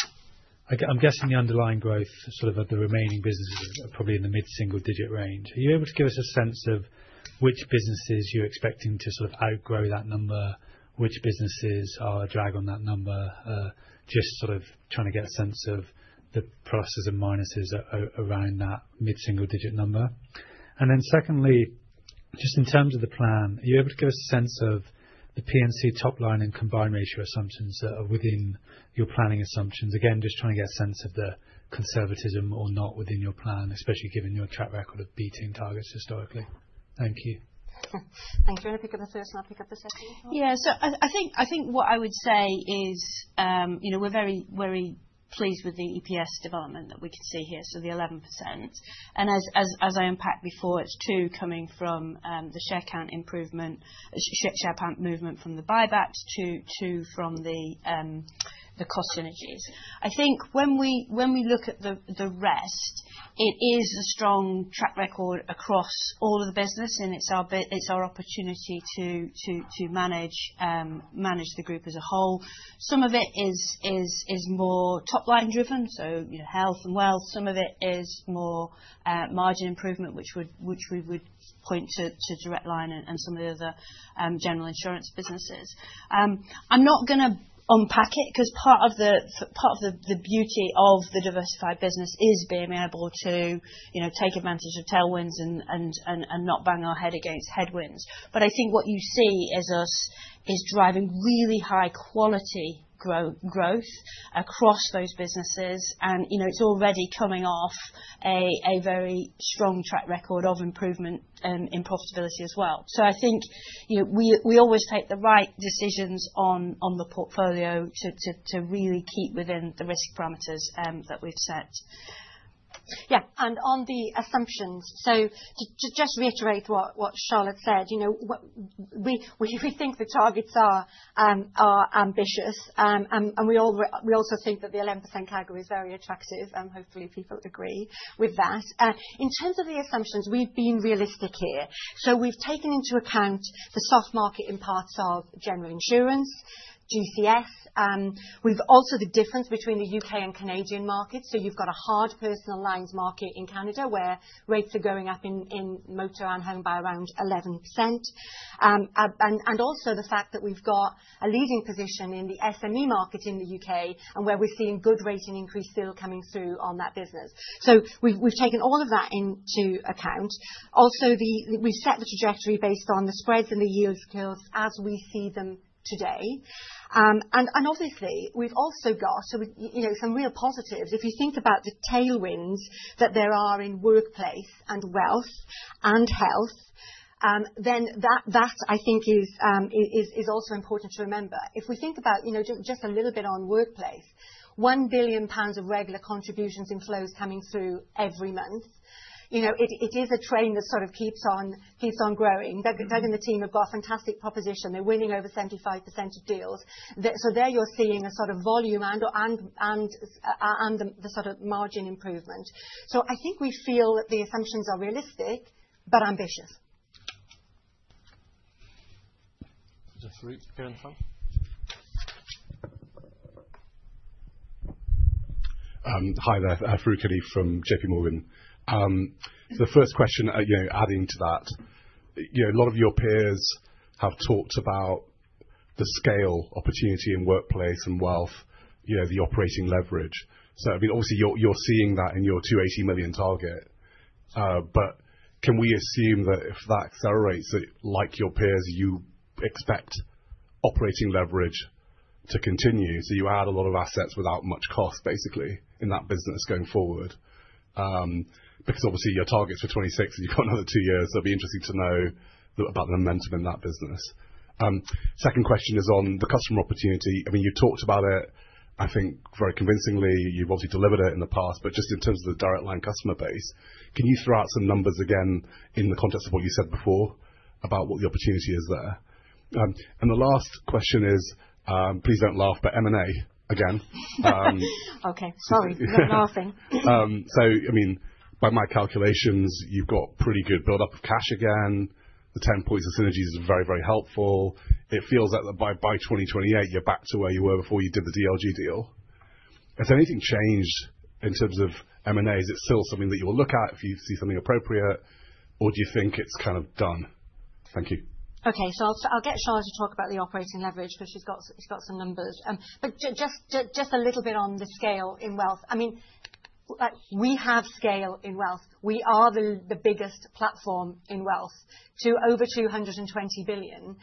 I'm guessing the underlying growth of the remaining businesses are probably in the mid-single-digit range. Are you able to give us a sense of which businesses you're expecting to outgrow that number, which businesses are a drag on that number, just trying to get a sense of the pluses and minuses around that mid-single-digit number? Secondly, just in terms of the plan, are you able to give us a sense of the P&C top line and combined ratio assumptions that are within your planning assumptions? Again, just trying to get a sense of the conservatism or not within your plan, especially given your track record of beating targets historically. Thank you. Thanks. Do you want to pick up the first and I'll pick up the second? Yeah. I think what I would say is we're very pleased with the EPS development that we can see here, so the 11%. As I unpacked before, it's two coming from the share count improvement, share count movement from the buybacks, two from the cost synergies. I think when we look at the rest, it is a strong track record across all of the business, and it's our opportunity to manage the group as a whole. Some of it is more top line driven, so health and wealth. Some of it is more margin improvement, which we would point to Direct Line and some of the other general insurance businesses. I'm not going to unpack it because part of the beauty of the diversified business is being able to take advantage of tailwinds and not bang our head against headwinds. I think what you see is us driving really high-quality growth across those businesses. It is already coming off a very strong track record of improvement in profitability as well. I think we always take the right decisions on the portfolio to really keep within the risk parameters that we have set. Yeah. On the assumptions, to just reiterate what Charlotte said, we think the targets are ambitious. We also think that the 11% category is very attractive, and hopefully people agree with that. In terms of the assumptions, we've been realistic here. We've taken into account the soft market in parts of general insurance, GCS. We've also considered the difference between the U.K. and Canadian markets. You've got a hard personal lines market in Canada where rates are going up in motor and home by around 11%. Also, the fact that we've got a leading position in the SME market in the U.K. where we're seeing good rate increase still coming through on that business. We've taken all of that into account. We've set the trajectory based on the spreads and the yield curves as we see them today. Obviously, we've also got some real positives. If you think about the tailwinds that there are in workplace and wealth and health, then that, I think, is also important to remember. If we think about just a little bit on workplace, 1 billion pounds of regular contributions in flows coming through every month, it is a train that sort of keeps on growing. Doug and the team have got a fantastic proposition. They're winning over 75% of deals. There you're seeing a sort of volume and the sort of margin improvement. I think we feel that the assumptions are realistic but ambitious. Just a few minutes from. Hi there. I'm Farooq Hanif from JPMorgan. The first question, adding to that, a lot of your peers have talked about the scale opportunity in workplace and wealth, the operating leverage. I mean, obviously, you're seeing that in your 280 million target. Can we assume that if that accelerates, like your peers, you expect operating leverage to continue? You add a lot of assets without much cost, basically, in that business going forward. Obviously, your target's for 2026, and you've got another two years. It'd be interesting to know about the momentum in that business. The second question is on the customer opportunity. I mean, you've talked about it, I think, very convincingly. You've obviously delivered it in the past. Just in terms of the Direct Line customer base, can you throw out some numbers again in the context of what you said before about what the opportunity is there? The last question is, please do not laugh, but M&A again. Okay. Sorry. Not laughing. I mean, by my calculations, you've got pretty good buildup of cash again. The 10 points of synergies is very, very helpful. It feels that by 2028, you're back to where you were before you did the DLG deal. Has anything changed in terms of M&As? Is it still something that you'll look at if you see something appropriate, or do you think it's kind of done? Thank you. Okay. I'll get Charlotte to talk about the operating leverage because she's got some numbers. Just a little bit on the scale in wealth. I mean, we have scale in wealth. We are the biggest platform in wealth, over 220 billion.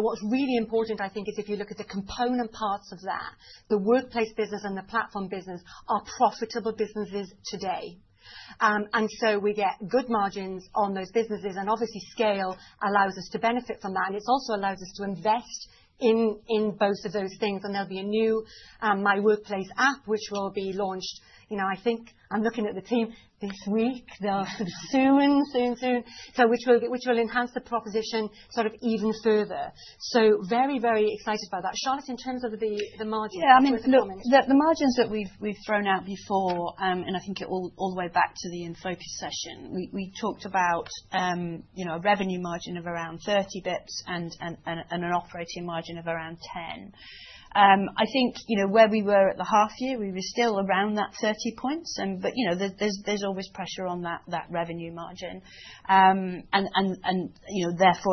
What's really important, I think, is if you look at the component parts of that, the workplace business and the platform business are profitable businesses today. We get good margins on those businesses. Obviously, scale allows us to benefit from that. It also allows us to invest in both of those things. There'll be a new My Workplace app, which will be launched. I think I'm looking at the team this week. They'll soon, soon, soon, which will enhance the proposition sort of even further. Very, very excited about that. Charlotte, in terms of the margins. Yeah. I mean, look, the margins that we've thrown out before, and I think it will all the way back to the In focus session, we talked about a revenue margin of around 30bps and an operating margin of around 10. I think where we were at the half-year, we were still around that 30 points. There is always pressure on that revenue margin. Therefore,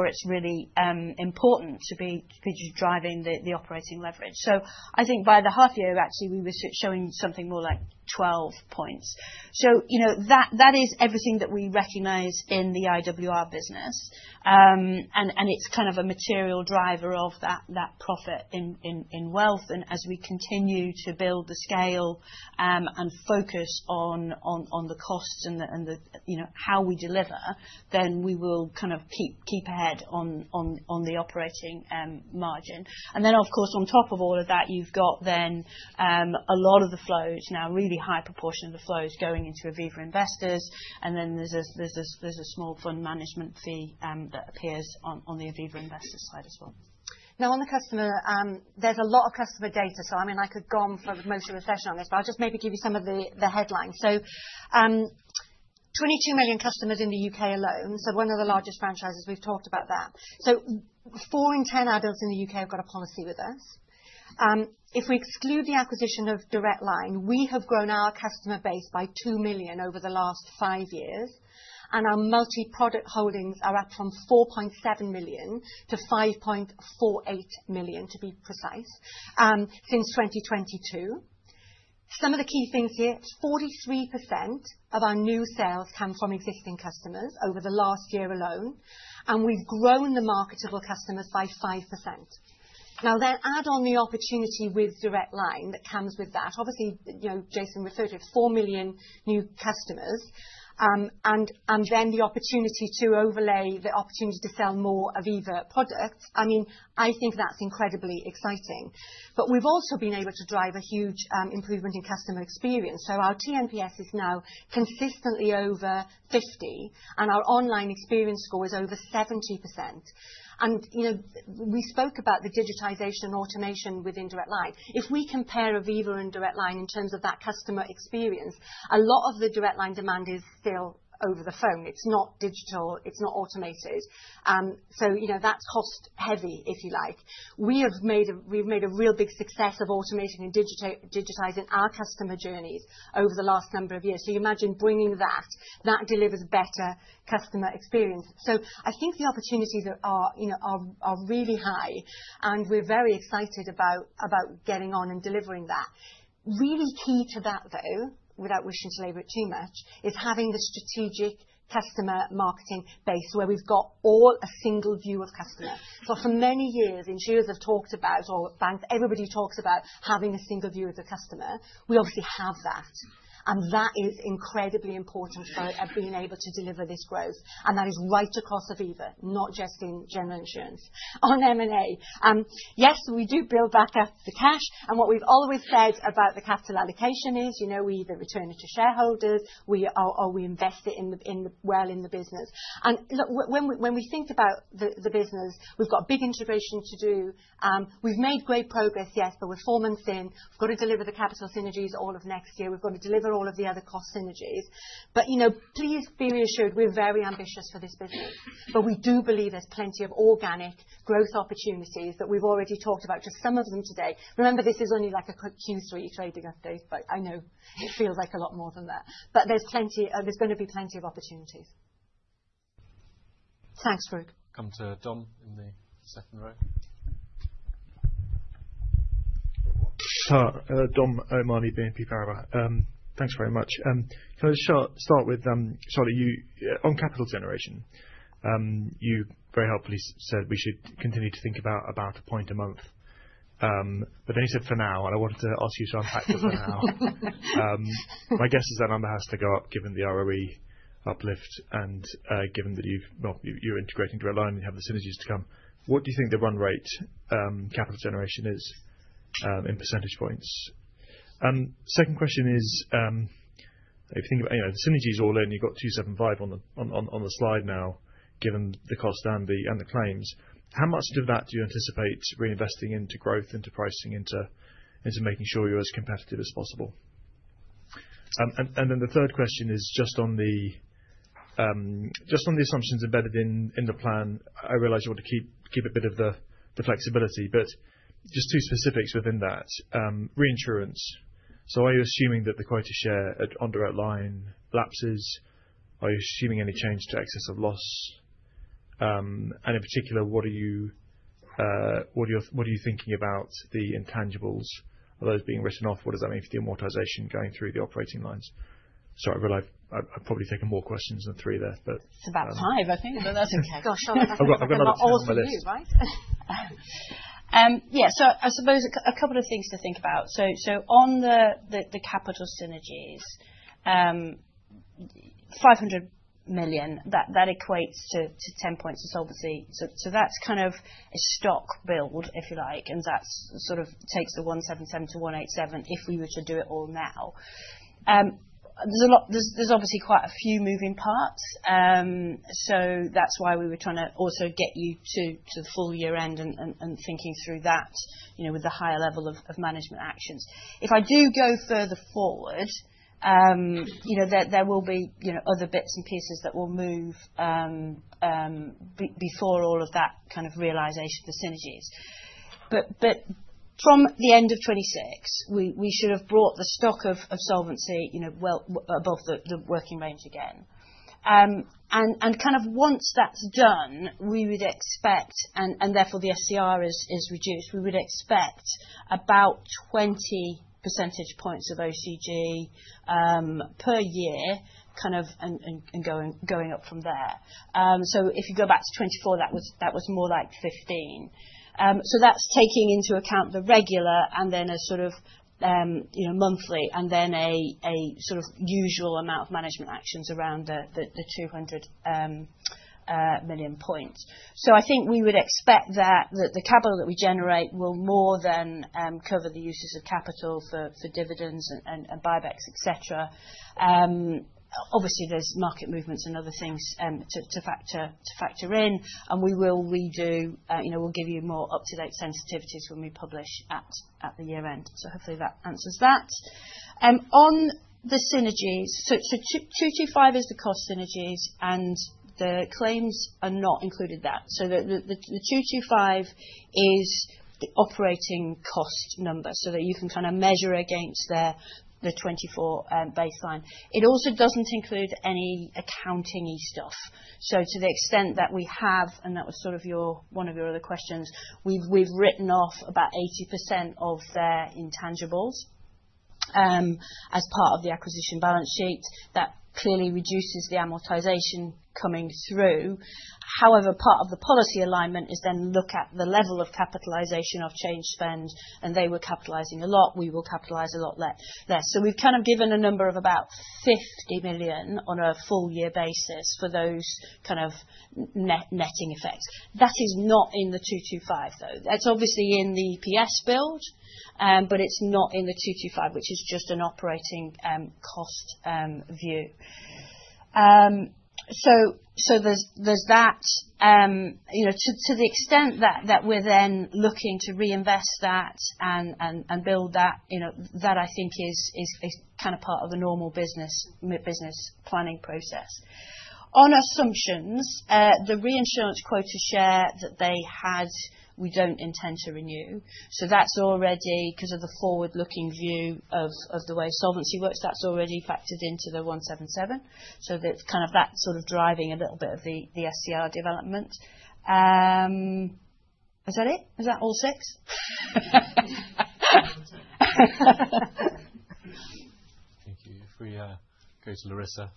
it's really important to be driving the operating leverage. I think by the half-year, actually, we were showing something more like 12 points. That is everything that we recognize in the IWR business. It's kind of a material driver of that profit in wealth. As we continue to build the scale and focus on the costs and how we deliver, then we will kind of keep ahead on the operating margin. Of course, on top of all of that, you've got then a lot of the flows, now a really high proportion of the flows going into Aviva Investors. Then there's a small fund management fee that appears on the Aviva Investors side as well. Now, on the customer, there's a lot of customer data. I mean, I could go on for most of the session on this, but I'll just maybe give you some of the headlines. 22 million customers in the U.K. alone, so one of the largest franchises. We've talked about that. 4 in 10 adults in the U.K. have got a policy with us. If we exclude the acquisition of Direct Line, we have grown our customer base by 2 million over the last five years. Our multi-product holdings are up from 4.7 million to 5.48 million, to be precise, since 2022. Some of the key things here, 43% of our new sales come from existing customers over the last year alone. We've grown the marketable customers by 5%. Now, then add on the opportunity with Direct Line that comes with that. Obviously, Jason referred to it, 4 million new customers. The opportunity to overlay the opportunity to sell more Aviva products, I mean, I think that's incredibly exciting. We have also been able to drive a huge improvement in customer experience. Our TNPS is now consistently over 50, and our online experience score is over 70%. We spoke about the digitization and automation within Direct Line. If we compare Aviva and Direct Line in terms of that customer experience, a lot of the Direct Line demand is still over the phone. It's not digital. It's not automated. That's cost-heavy, if you like. We have made a real big success of automating and digitizing our customer journeys over the last number of years. You imagine bringing that, that delivers better customer experience. I think the opportunities are really high, and we're very excited about getting on and delivering that. Really key to that, though, without wishing to labor it too much, is having the strategic customer marketing base where we've got all a single view of customer. For many years, insurers have talked about, or banks, everybody talks about having a single view of the customer. We obviously have that. That is incredibly important for being able to deliver this growth. That is right across Aviva, not just in General Insurance. On M&A, yes, we do build back up the cash. What we've always said about the capital allocation is we either return it to shareholders or we invest it well in the business. Look, when we think about the business, we've got big integration to do. We've made great progress, yes, but we're four months in. We've got to deliver the capital synergies all of next year. We've got to deliver all of the other cost synergies. Please be reassured, we're very ambitious for this business. We do believe there's plenty of organic growth opportunities that we've already talked about, just some of them today. Remember, this is only like a Q3 trading update, but I know it feels like a lot more than that. There's going to be plenty of opportunities. Thanks, Farooq. Come to Dom in the second row. Dom O'Mahony, BNP Paribas. Thanks very much. Can I just start with Charlotte, on capital generation, you very helpfully said we should continue to think about a point a month. But then you said for now, and I wanted to ask you to unpack the for now. My guess is that number has to go up given the ROE uplift and given that you're integrating Direct Line and you have the synergies to come. What do you think the run rate capital generation is in percentage points? Second question is, if you think about the synergies all in, you've got 275 on the slide now, given the cost and the claims. How much of that do you anticipate reinvesting into growth, into pricing, into making sure you're as competitive as possible? The third question is just on the assumptions embedded in the plan. I realize you want to keep a bit of the flexibility, but just two specifics within that. Reinsurance. Are you assuming that the quota share on Direct Line lapses? Are you assuming any change to excess of loss? In particular, what are you thinking about the intangibles? Are those being written off? What does that mean for the amortization going through the operating lines? Sorry, I realize I've probably taken more questions than three there, but. It's about time, I think. That doesn't count. I've got another question for my list. Yeah. I suppose a couple of things to think about. On the capital synergies, 500 million, that equates to 10 points. That is kind of a stock build, if you like, and that sort of takes the 177% to 187% if we were to do it all now. There are obviously quite a few moving parts. That is why we were trying to also get you to the full year-end and thinking through that with the higher level of management actions. If I do go further forward, there will be other bits and pieces that will move before all of that kind of realization of the synergies. From the end of 2026, we should have brought the stock of solvency above the working range again. Once that's done, we would expect, and therefore the SCR is reduced, we would expect about 20 percentage points of OCG per year and going up from there. If you go back to 2024, that was more like 15. That's taking into account the regular and then a sort of monthly and then a sort of usual amount of management actions around the 200 million point. I think we would expect that the capital that we generate will more than cover the uses of capital for dividends and buybacks, etc. Obviously, there's market movements and other things to factor in. We will redo, we'll give you more up-to-date sensitivities when we publish at the year end. Hopefully, that answers that. On the synergies, 225 is the cost synergies, and the claims are not included in that. The 225 is the operating cost number so that you can kind of measure against the 2024 baseline. It also does not include any accounting-y stuff. To the extent that we have, and that was sort of one of your other questions, we have written off about 80% of their intangibles as part of the acquisition balance sheet. That clearly reduces the amortization coming through. However, part of the policy alignment is then look at the level of capitalization of change spend, and they were capitalizing a lot. We will capitalize a lot less. We have kind of given a number of about 50 million on a full year basis for those kind of netting effects. That is not in the 225, though. That is obviously in the EPS build, but it is not in the 225, which is just an operating cost view. There is that. To the extent that we're then looking to reinvest that and build that, that I think is kind of part of the normal business planning process. On assumptions, the reinsurance quota share that they had, we don't intend to renew. That's already, because of the forward-looking view of the way solvency works, that's already factored into the 177%. That's sort of driving a little bit of the SCR development. Is that it? Is that all six? Thank you. If we go to Larissa.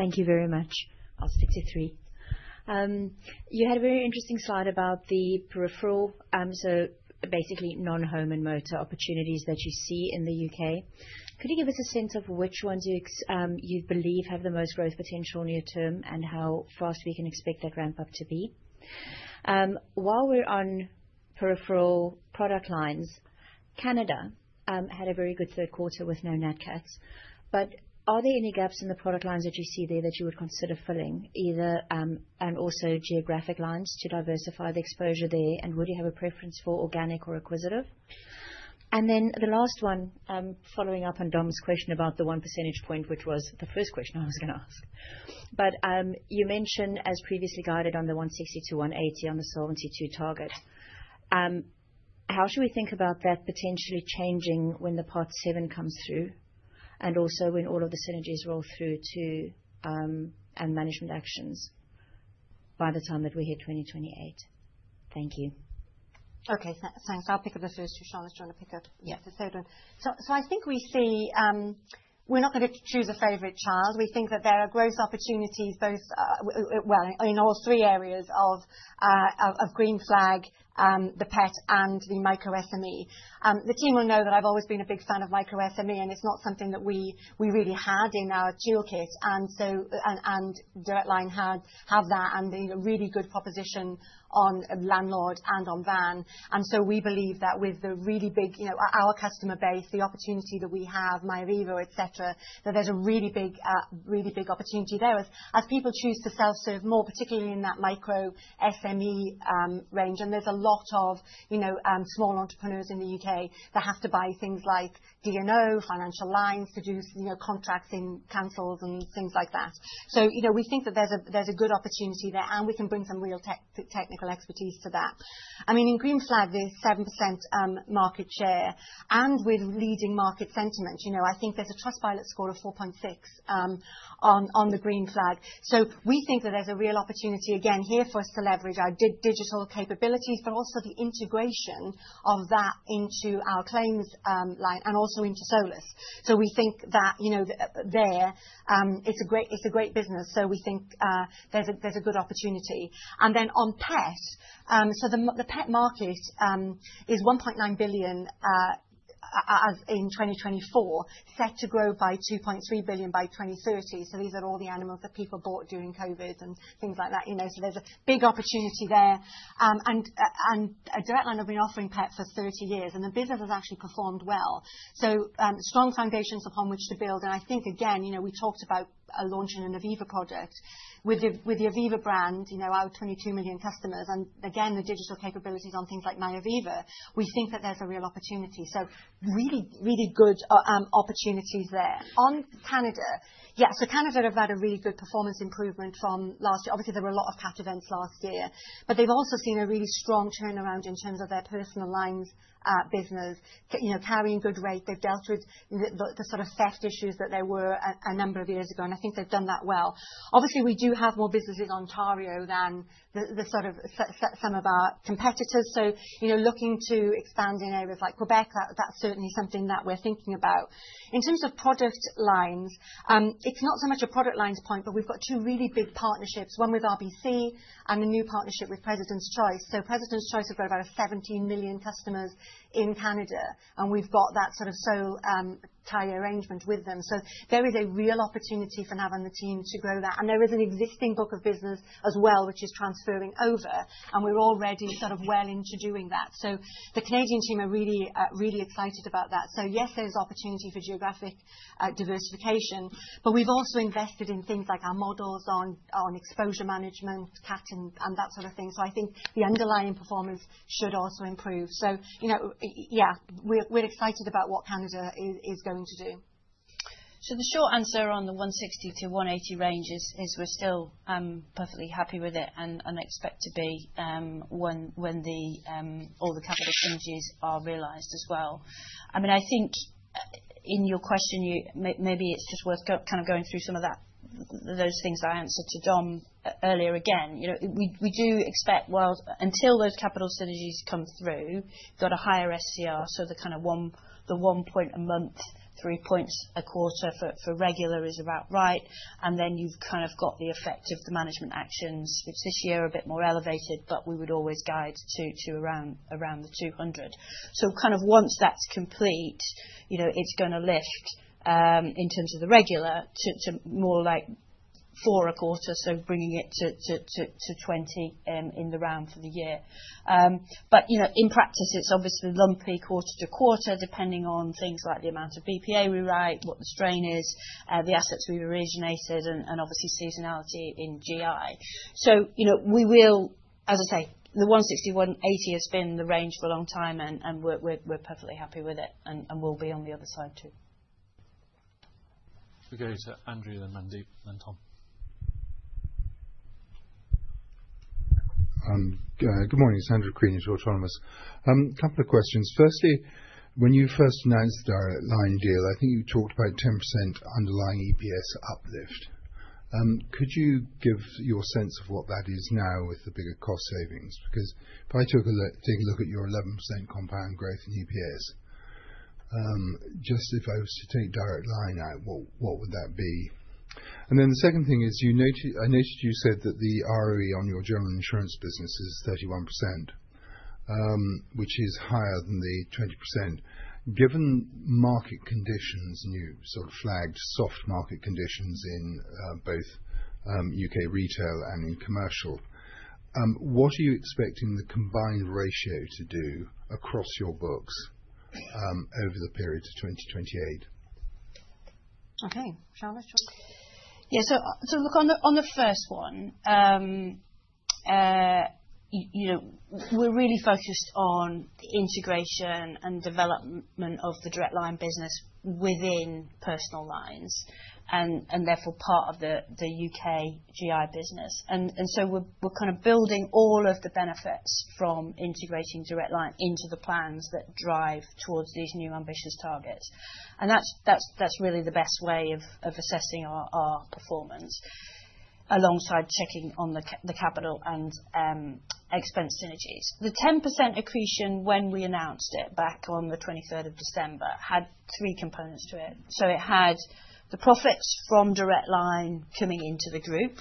Thank you very much. I'll stick to three. You had a very interesting slide about the peripheral, so basically non-home and motor opportunities that you see in the U.K. Could you give us a sense of which ones you believe have the most growth potential near term and how fast we can expect that ramp-up to be? While we're on peripheral product lines, Canada had a very good third quarter with no net cuts. Are there any gaps in the product lines that you see there that you would consider filling, either and also geographic lines to diversify the exposure there? Would you have a preference for organic or acquisitive? The last one, following up on Dom's question about the one percentage point, which was the first question I was going to ask. You mentioned, as previously guided, on the 160-180 on the solvency to target. How should we think about that potentially changing when the part seven comes through and also when all of the synergies roll through to management actions by the time that we hit 2028? Thank you. Okay. Thanks. I'll pick up the first one. Charlotte's trying to pick up. Yes. I think we see we're not going to choose a favorite child. We think that there are growth opportunities both, well, in all three areas of Green Flag, the pet, and the micro-SME. The team will know that I've always been a big fan of micro-SME, and it's not something that we really had in our toolkit. Direct Line had that and a really good proposition on landlord and on van. We believe that with the really big our customer base, the opportunity that we have, MyAviva, etc., that there's a really big opportunity there as people choose to self-serve more, particularly in that micro-SME range. There's a lot of small entrepreneurs in the U.K. that have to buy things like D&O, financial lines to do contracts in councils and things like that. We think that there's a good opportunity there, and we can bring some real technical expertise to that. I mean, in Green Flag, there's 7% market share. With leading market sentiment, I think there's a Trustpilot score of 4.6 on Green Flag. We think that there's a real opportunity again here for us to leverage our digital capabilities, but also the integration of that into our claims line and also into Solus. We think that it's a great business. We think there's a good opportunity. On pet, the pet market is 1.9 billion in 2024, set to grow to 2.3 billion by 2030. These are all the animals that people bought during COVID and things like that. There's a big opportunity there. Direct Line has been offering pet for 30 years, and the business has actually performed well. Strong foundations upon which to build. I think, again, we talked about launching an Aviva product with the Aviva brand, our 22 million customers. Again, the digital capabilities on things like MyAviva, we think that there's a real opportunity. Really, really good opportunities there. On Canada, yeah, Canada have had a really good performance improvement from last year. Obviously, there were a lot of pet events last year, but they've also seen a really strong turnaround in terms of their Personal Lines business, carrying good rate. They've dealt with the sort of theft issues that there were a number of years ago, and I think they've done that well. Obviously, we do have more businesses on Ontario than some of our competitors. Looking to expand in areas like Quebec, that's certainly something that we're thinking about. In terms of product lines, it's not so much a product lines point, but we've got two really big partnerships, one with RBC and a new partnership with President's Choice. President's Choice have got about 17 million customers in Canada, and we've got that sort of sole carrier arrangement with them. There is a real opportunity for Nav and the team to grow that. There is an existing book of business as well, which is transferring over, and we're already well into doing that. The Canadian team are really, really excited about that. Yes, there's opportunity for geographic diversification, but we've also invested in things like our models on exposure management, CAT, and that sort of thing. I think the underlying performance should also improve. Yeah, we're excited about what Canada is going to do. The short answer on the 160%-180% range is we're still perfectly happy with it and expect to be when all the capital synergies are realized as well. I mean, I think in your question, maybe it's just worth kind of going through some of those things I answered to Dom earlier again. We do expect, well, until those capital synergies come through, got a higher SCR, so the kind of one point a month, three points a quarter for regular is about right. You have the effect of the management actions, which this year are a bit more elevated, but we would always guide to around the 200. Once that's complete, it's going to lift in terms of the regular to more like four a quarter, so bringing it to 20 in the round for the year. In practice, it's obviously lumpy quarter to quarter, depending on things like the amount of BPA we write, what the strain is, the assets we've originated, and obviously seasonality in GI. We will, as I say, the 160%-180% has been the range for a long time, and we're perfectly happy with it, and we'll be on the other side too. We'll go to Andrew, then Mandeep, then Tom. Good morning. Andrew Crean of Autonomous. A couple of questions. Firstly, when you first announced the Direct Line deal, I think you talked about 10% underlying EPS uplift. Could you give your sense of what that is now with the bigger cost savings? Because if I take a look at your 11% compound growth in EPS, just if I was to take Direct Line out, what would that be? The second thing is I noticed you said that the ROE on your General Insurance business is 31%, which is higher than the 20%. Given market conditions, and you sort of flagged soft market conditions in both U.K. retail and in commercial, what are you expecting the combined ratio to do across your books over the period to 2028? Okay. Charlotte? Yeah. Look, on the first one, we're really focused on the integration and development of the Direct Line business within Personal Lines and therefore part of the U.K. GI business. We're kind of building all of the benefits from integrating Direct Line into the plans that drive towards these new ambitious targets. That's really the best way of assessing our performance alongside checking on the capital and expense synergies. The 10% accretion when we announced it back on the 23rd of December had three components to it. It had the profits from Direct Line coming into the group.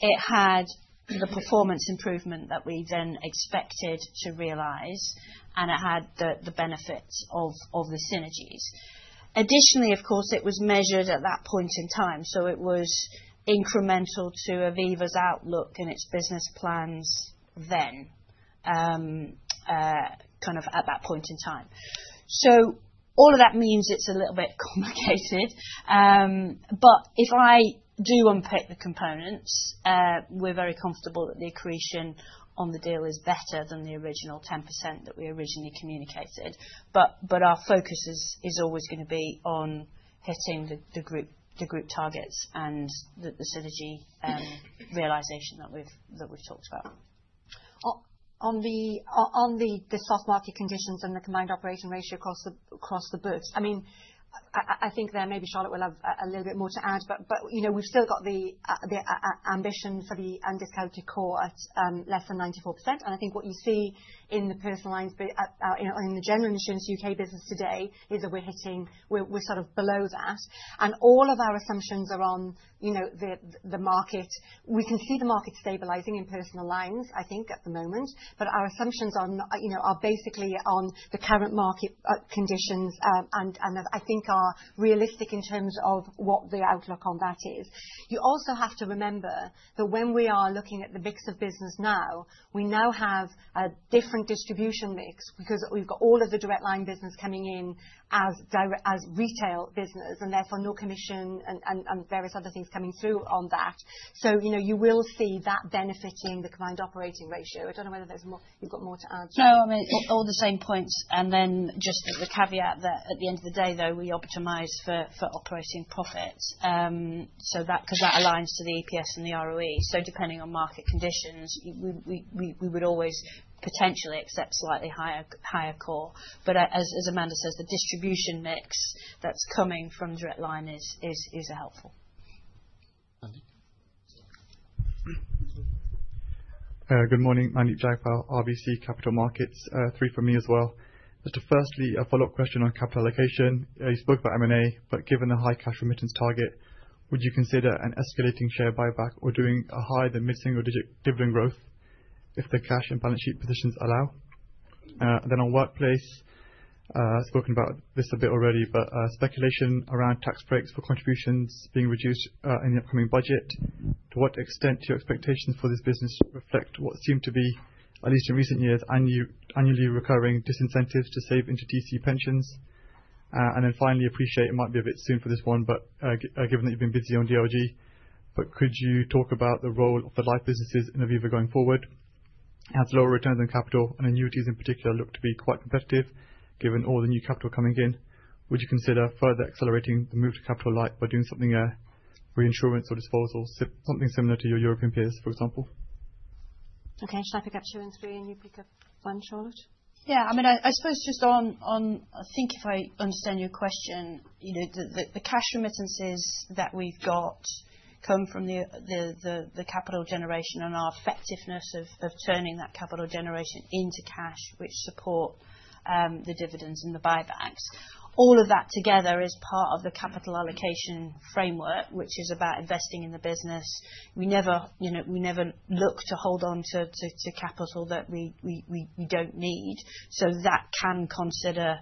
It had the performance improvement that we then expected to realize, and it had the benefits of the synergies. Additionally, of course, it was measured at that point in time. It was incremental to Aviva's outlook and its business plans then kind of at that point in time. All of that means it's a little bit complicated. If I do unpack the components, we're very comfortable that the accretion on the deal is better than the original 10% that we originally communicated. Our focus is always going to be on hitting the group targets and the synergy realization that we've talked about. On the soft market conditions and the combined operating ratio across the books, I mean, I think there maybe Charlotte will have a little bit more to add, but we've still got the ambition for the undiscounted COR at less than 94%. I think what you see in the Personal Lines, in the General Insurance U.K. business today, is that we're hitting, we're sort of below that. All of our assumptions are on the market. We can see the market stabilizing in personal lines, I think, at the moment, but our assumptions are basically on the current market conditions and I think are realistic in terms of what the outlook on that is. You also have to remember that when we are looking at the mix of business now, we now have a different distribution mix because we've got all of the Direct Line business coming in as retail business and therefore no commission and various other things coming through on that. You will see that benefiting the combined operating ratio. I don't know whether you've got more to add. No, I mean, all the same points. And then just the caveat that at the end of the day, though, we optimize for operating profits because that aligns to the EPS and the ROE. So depending on market conditions, we would always potentially accept slightly higher COR. But as Amanda says, the distribution mix that's coming from Direct Line is helpful. Mandeep? Good morning. Mandeep Jagpal, RBC Capital Markets. Three for me as well. Firstly, a follow-up question on capital allocation. You spoke about M&A, but given the high cash remittance target, would you consider an escalating share buyback or doing a higher than mid-single-digit dividend growth if the cash and balance sheet positions allow? On workplace, I have spoken about this a bit already, but speculation around tax breaks for contributions being reduced in the upcoming budget. To what extent do your expectations for this business reflect what seem to be, at least in recent years, annually recurring disincentives to save into DC pensions? Finally, appreciate it might be a bit soon for this one, but given that you have been busy on DLG, could you talk about the role of the life businesses in Aviva going forward? As lower returns on capital and annuities in particular look to be quite competitive given all the new capital coming in, would you consider further accelerating the move to capital light by doing something reinsurance or disposal, something similar to your European peers, for example? Okay. Shall I pick up two and three and you pick up one, Charlotte? Yeah. I mean, I suppose just on, I think if I understand your question, the cash remittances that we've got come from the capital generation and our effectiveness of turning that capital generation into cash, which support the dividends and the buybacks. All of that together is part of the capital allocation framework, which is about investing in the business. We never look to hold on to capital that we do not need. That can consider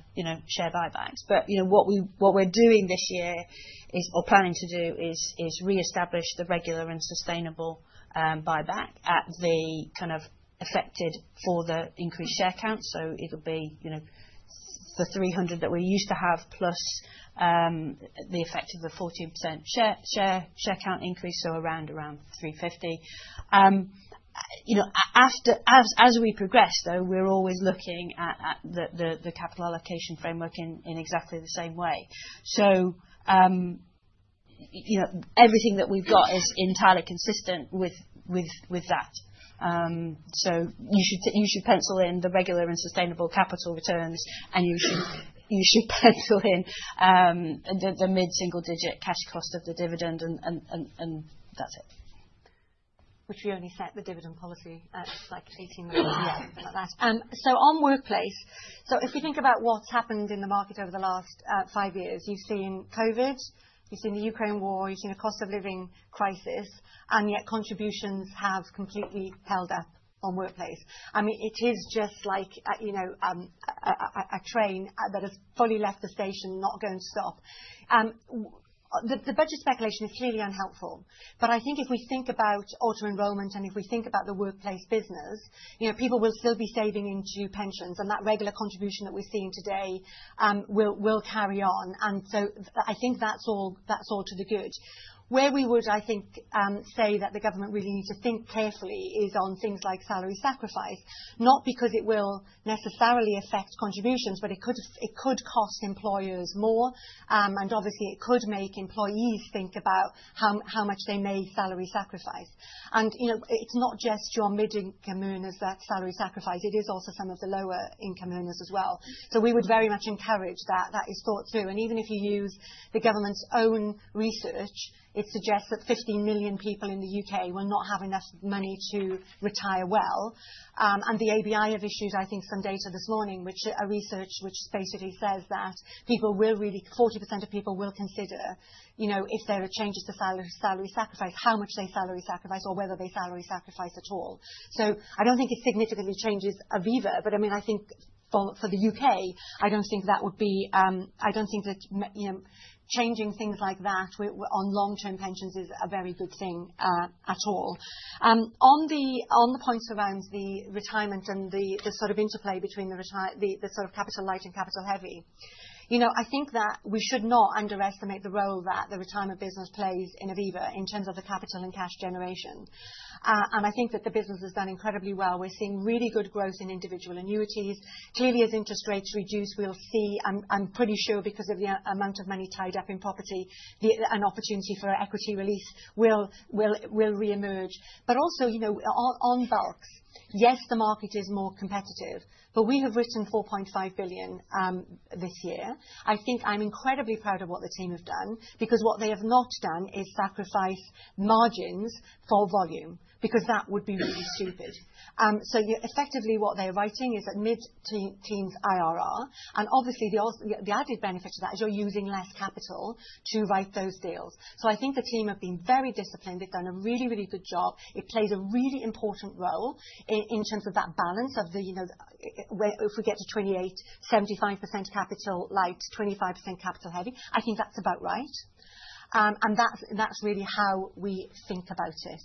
share buybacks. What we are doing this year or planning to do is reestablish the regular and sustainable buyback at the kind of affected for the increased share count. It will be the 300 that we used to have plus the effect of the 14% share count increase, so around 350. As we progress, though, we are always looking at the capital allocation framework in exactly the same way. Everything that we've got is entirely consistent with that. You should pencil in the regular and sustainable capital returns, and you should pencil in the mid-single-digit cash cost of the dividend, and that's it. Which we only set the dividend policy at like 18 million. Yeah, like that. On workplace, if you think about what's happened in the market over the last five years, you've seen COVID, you've seen the Ukraine war, you've seen the cost of living crisis, and yet contributions have completely held up on workplace. I mean, it is just like a train that has fully left the station not going to stop. The budget speculation is clearly unhelpful. I think if we think about auto enrollment and if we think about the workplace business, people will still be saving into pensions, and that regular contribution that we're seeing today will carry on. I think that's all to the good. Where we would, I think, say that the government really needs to think carefully is on things like salary sacrifice, not because it will necessarily affect contributions, but it could cost employers more, and obviously it could make employees think about how much they may salary sacrifice. It is not just your mid-income earners that salary sacrifice. It is also some of the lower-income earners as well. We would very much encourage that that is thought through. Even if you use the government's own research, it suggests that 15 million people in the U.K. will not have enough money to retire well. The ABI have issued, I think, some data this morning, which are research which basically says that really 40% of people will consider if there are changes to salary sacrifice, how much they salary sacrifice or whether they salary sacrifice at all. I do not think it significantly changes Aviva, but I mean, I think for the U.K., I do not think that would be, I do not think that changing things like that on long-term pensions is a very good thing at all. On the points around the retirement and the sort of interplay between the sort of capital light and capital heavy, I think that we should not underestimate the role that the retirement business plays in Aviva in terms of the capital and cash generation. I think that the business has done incredibly well. We are seeing really good growth in individual annuities. Clearly, as interest rates reduce, we will see, I am pretty sure because of the amount of money tied up in property, an opportunity for equity release will reemerge. Also on bulks, yes, the market is more competitive, but we have written 4.5 billion this year. I think I'm incredibly proud of what the team have done because what they have not done is sacrifice margins for volume because that would be really stupid. So effectively what they are writing is at mid-teens IRR. And obviously the added benefit to that is you're using less capital to write those deals. I think the team have been very disciplined. They've done a really, really good job. It plays a really important role in terms of that balance of the if we get to 2028, 75% capital light, 25% capital heavy, I think that's about right. And that's really how we think about it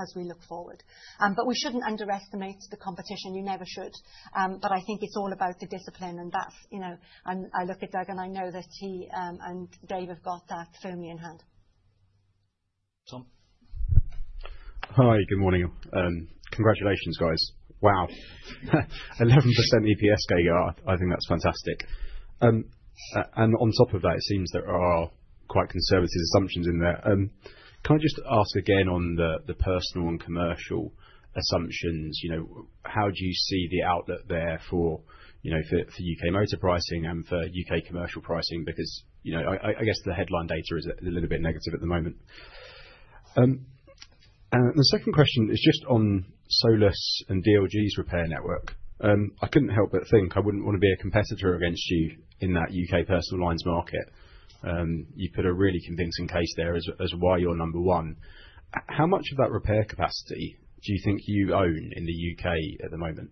as we look forward. We shouldn't underestimate the competition. You never should. I think it's all about the discipline. I look at Doug and I know that he and Dave have got that firmly in hand. Tom? Hi, good morning. Congratulations, guys. Wow. 11% EPS data. I think that's fantastic. On top of that, it seems there are quite conservative assumptions in there. Can I just ask again on the personal and commercial assumptions? How do you see the outlook there for U.K. motor pricing and for U.K. commercial pricing? I guess the headline data is a little bit negative at the moment. The second question is just on Solus and DLG's repair network. I couldn't help but think I wouldn't want to be a competitor against you in that U.K. Personal Lines market. You put a really convincing case there as why you're number one. How much of that repair capacity do you think you own in the U.K. at the moment?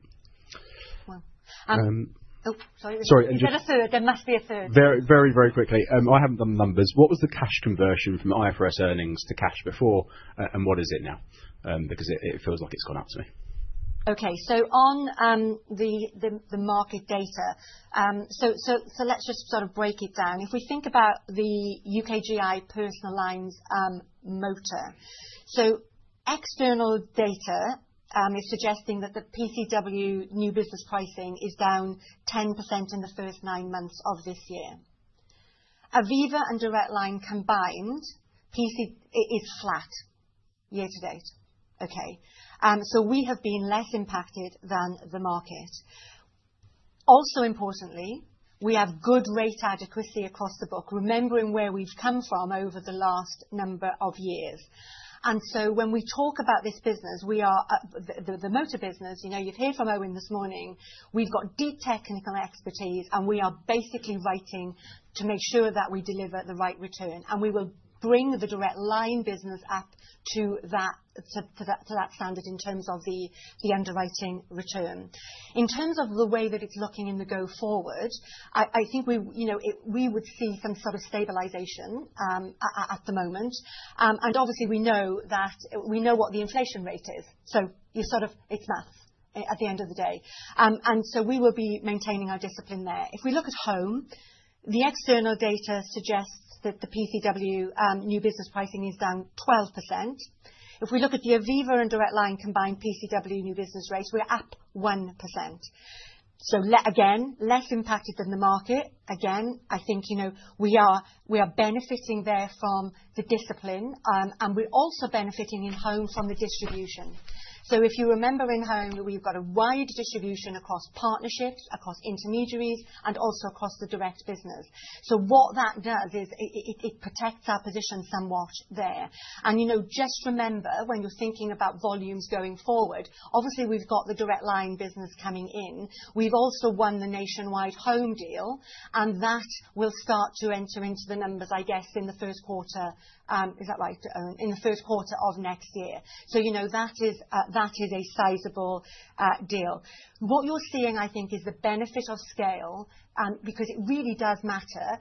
Oh, sorry. There must be a third. Very, very quickly. I haven't done the numbers. What was the cash conversion from IFRS earnings to cash before? And what is it now? Because it feels like it's gone up to me. Okay. On the market data, let's just sort of break it down. If we think about the U.K. GI, Personal Lines, motor, external data is suggesting that the PCW new business pricing is down 10% in the first nine months of this year. Aviva and Direct Line combined, it is flat year to date. We have been less impacted than the market. Also importantly, we have good rate adequacy across the book, remembering where we've come from over the last number of years. When we talk about this business, the motor business, you've heard from Owen this morning, we've got deep technical expertise, and we are basically writing to make sure that we deliver the right return. We will bring the Direct Line business up to that standard in terms of the underwriting return. In terms of the way that it's looking in the go forward, I think we would see some sort of stabilization at the moment. Obviously we know what the inflation rate is. It's maths at the end of the day. We will be maintaining our discipline there. If we look at home, the external data suggests that the PCW new business pricing is down 12%. If we look at the Aviva and Direct Line combined PCW new business rate, we're up 1%. Again, less impacted than the market. I think we are benefiting there from the discipline, and we're also benefiting in home from the distribution. If you remember in home, we've got a wide distribution across partnerships, across intermediaries, and also across the direct business. What that does is it protects our position somewhat there. Just remember when you're thinking about volumes going forward, obviously we've got the Direct Line business coming in. We've also won the Nationwide home deal, and that will start to enter into the numbers, I guess, in the first quarter. Is that right, Owen? In the first quarter of next year. That is a sizable deal. What you're seeing, I think, is the benefit of scale because it really does matter.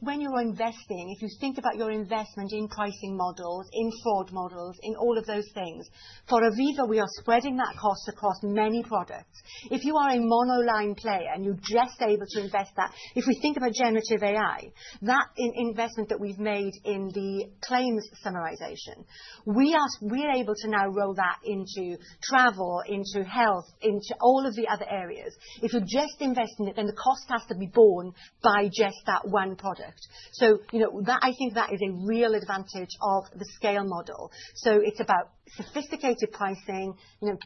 When you're investing, if you think about your investment in pricing models, in fraud models, in all of those things, for Aviva, we are spreading that cost across many products. If you are a monoline player and you're just able to invest that, if we think about generative AI, that investment that we've made in the claims summarization, we are able to now roll that into travel, into health, into all of the other areas. If you're just investing it, then the cost has to be borne by just that one product. I think that is a real advantage of the scale model. It's about sophisticated pricing,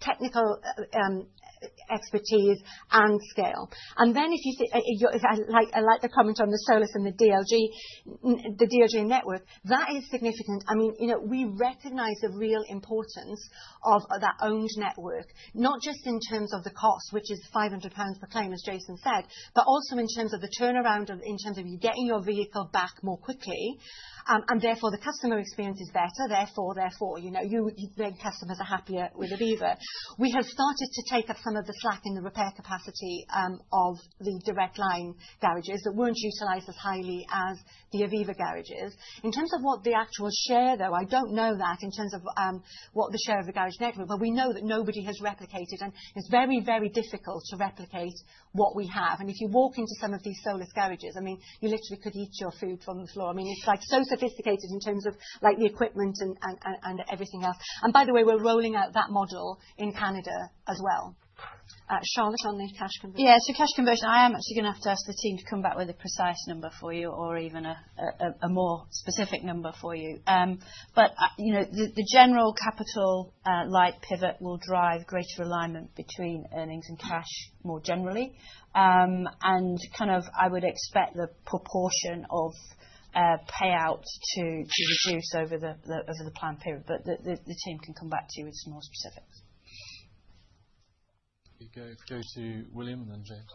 technical expertise, and scale. I like the comment on the Solus and the DLG network, that is significant. I mean, we recognize the real importance of that owned network, not just in terms of the cost, which is 500 pounds per claim, as Jason said, but also in terms of the turnaround of, in terms of you getting your vehicle back more quickly. Therefore, the customer experience is better. Therefore, you make customers happier with Aviva. We have started to take up some of the slack in the repair capacity of the Direct Line garages that were not utilized as highly as the Aviva garages. In terms of what the actual share, though, I don't know that in terms of what the share of the garage network, but we know that nobody has replicated, and it's very, very difficult to replicate what we have. If you walk into some of these Solus garages, I mean, you literally could eat your food from the floor. I mean, it's so sophisticated in terms of the equipment and everything else. By the way, we're rolling out that model in Canada as well. Charlotte, on the cash conversion. Yeah, so cash conversion, I am actually going to have to ask the team to come back with a precise number for you or even a more specific number for you. The general capital-light pivot will drive greater alignment between earnings and cash more generally. I would expect the proportion of payout to reduce over the planned period. The team can come back to you with some more specifics. Okay. Go to William and then James.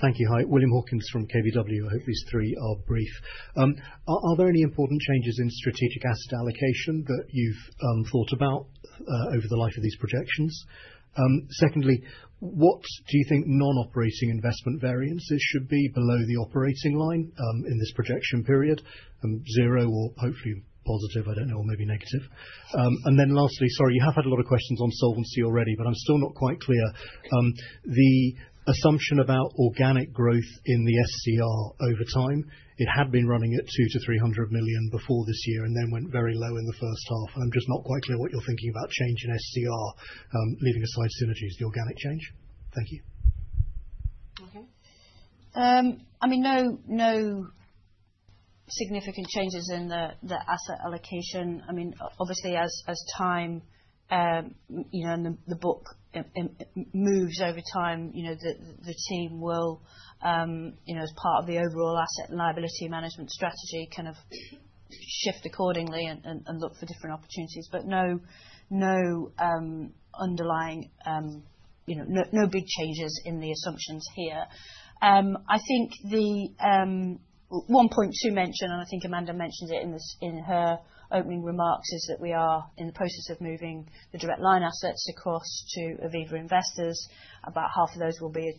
Thank you. Hi. William Hawkins from KBW. I hope these three are brief. Are there any important changes in strategic asset allocation that you've thought about over the life of these projections? Secondly, what do you think non-operating investment variances should be below the operating line in this projection period? Zero or hopefully positive, I don't know, or maybe negative. Lastly, sorry, you have had a lot of questions on solvency already, but I'm still not quite clear. The assumption about organic growth in the SCR over time, it had been running at 200 million-300 million before this year and then went very low in the first half. I'm just not quite clear what you're thinking about change in SCR, leaving aside synergies, the organic change. Thank you. Okay. I mean, no significant changes in the asset allocation. I mean, obviously as time and the book moves over time, the team will, as part of the overall asset and liability management strategy, kind of shift accordingly and look for different opportunities. No underlying, no big changes in the assumptions here. I think the 1.2 mention, and I think Amanda mentioned it in her opening remarks, is that we are in the process of moving the Direct Line assets across to Aviva Investors. About half of those will be,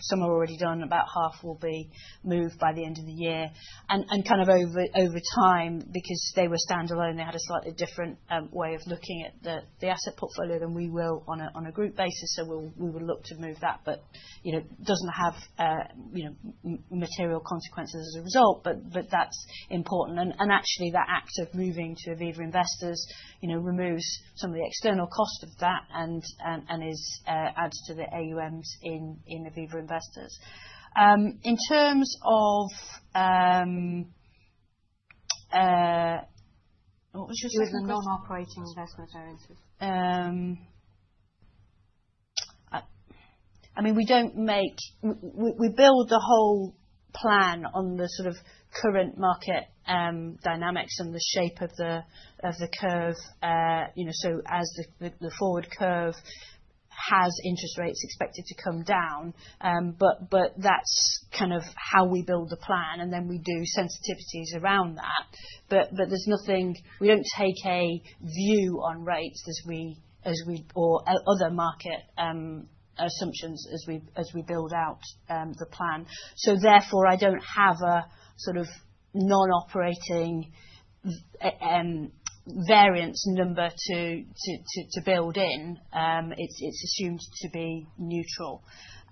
some are already done, about half will be moved by the end of the year. Over time, because they were standalone, they had a slightly different way of looking at the asset portfolio than we will on a group basis. We will look to move that, but it does not have material consequences as a result, but that is important. Actually, that act of moving to Aviva Investors removes some of the external cost of that and adds to the AUMs in Aviva Investors. In terms of what was your second question? With the non-operating investment variances. I mean, we build the whole plan on the sort of current market dynamics and the shape of the curve. As the forward curve has interest rates expected to come down, that's kind of how we build the plan. We do sensitivities around that. We do not take a view on rates or other market assumptions as we build out the plan. Therefore, I do not have a sort of non-operating variance number to build in. It is assumed to be neutral.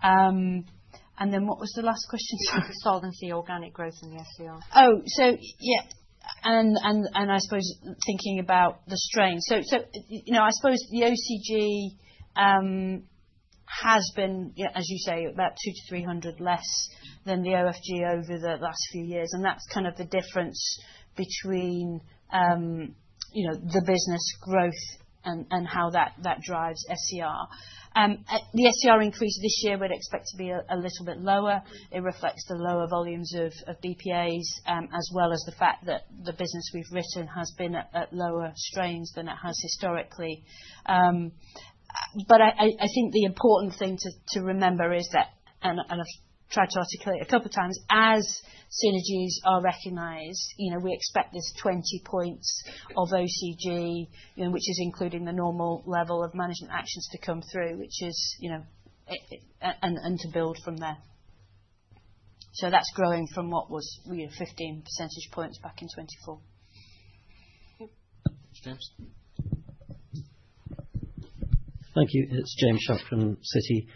What was the last question? Solvency, organic growth in the SCR. Oh, yeah. I suppose thinking about the strain. I suppose the OCG has been, as you say, about 200 million-300 million less than the OFG over the last few years. That is kind of the difference between the business growth and how that drives SCR. The SCR increase this year, we would expect to be a little bit lower. It reflects the lower volumes of BPAs, as well as the fact that the business we have written has been at lower strains than it has historically. I think the important thing to remember is that, and I have tried to articulate a couple of times, as synergies are recognized, we expect this 20 points of OCG, which is including the normal level of management actions, to come through, and to build from there. That is growing from what was 15 percentage points back in 2024. Thanks, James. Thank you. It's James Shuck from Citi.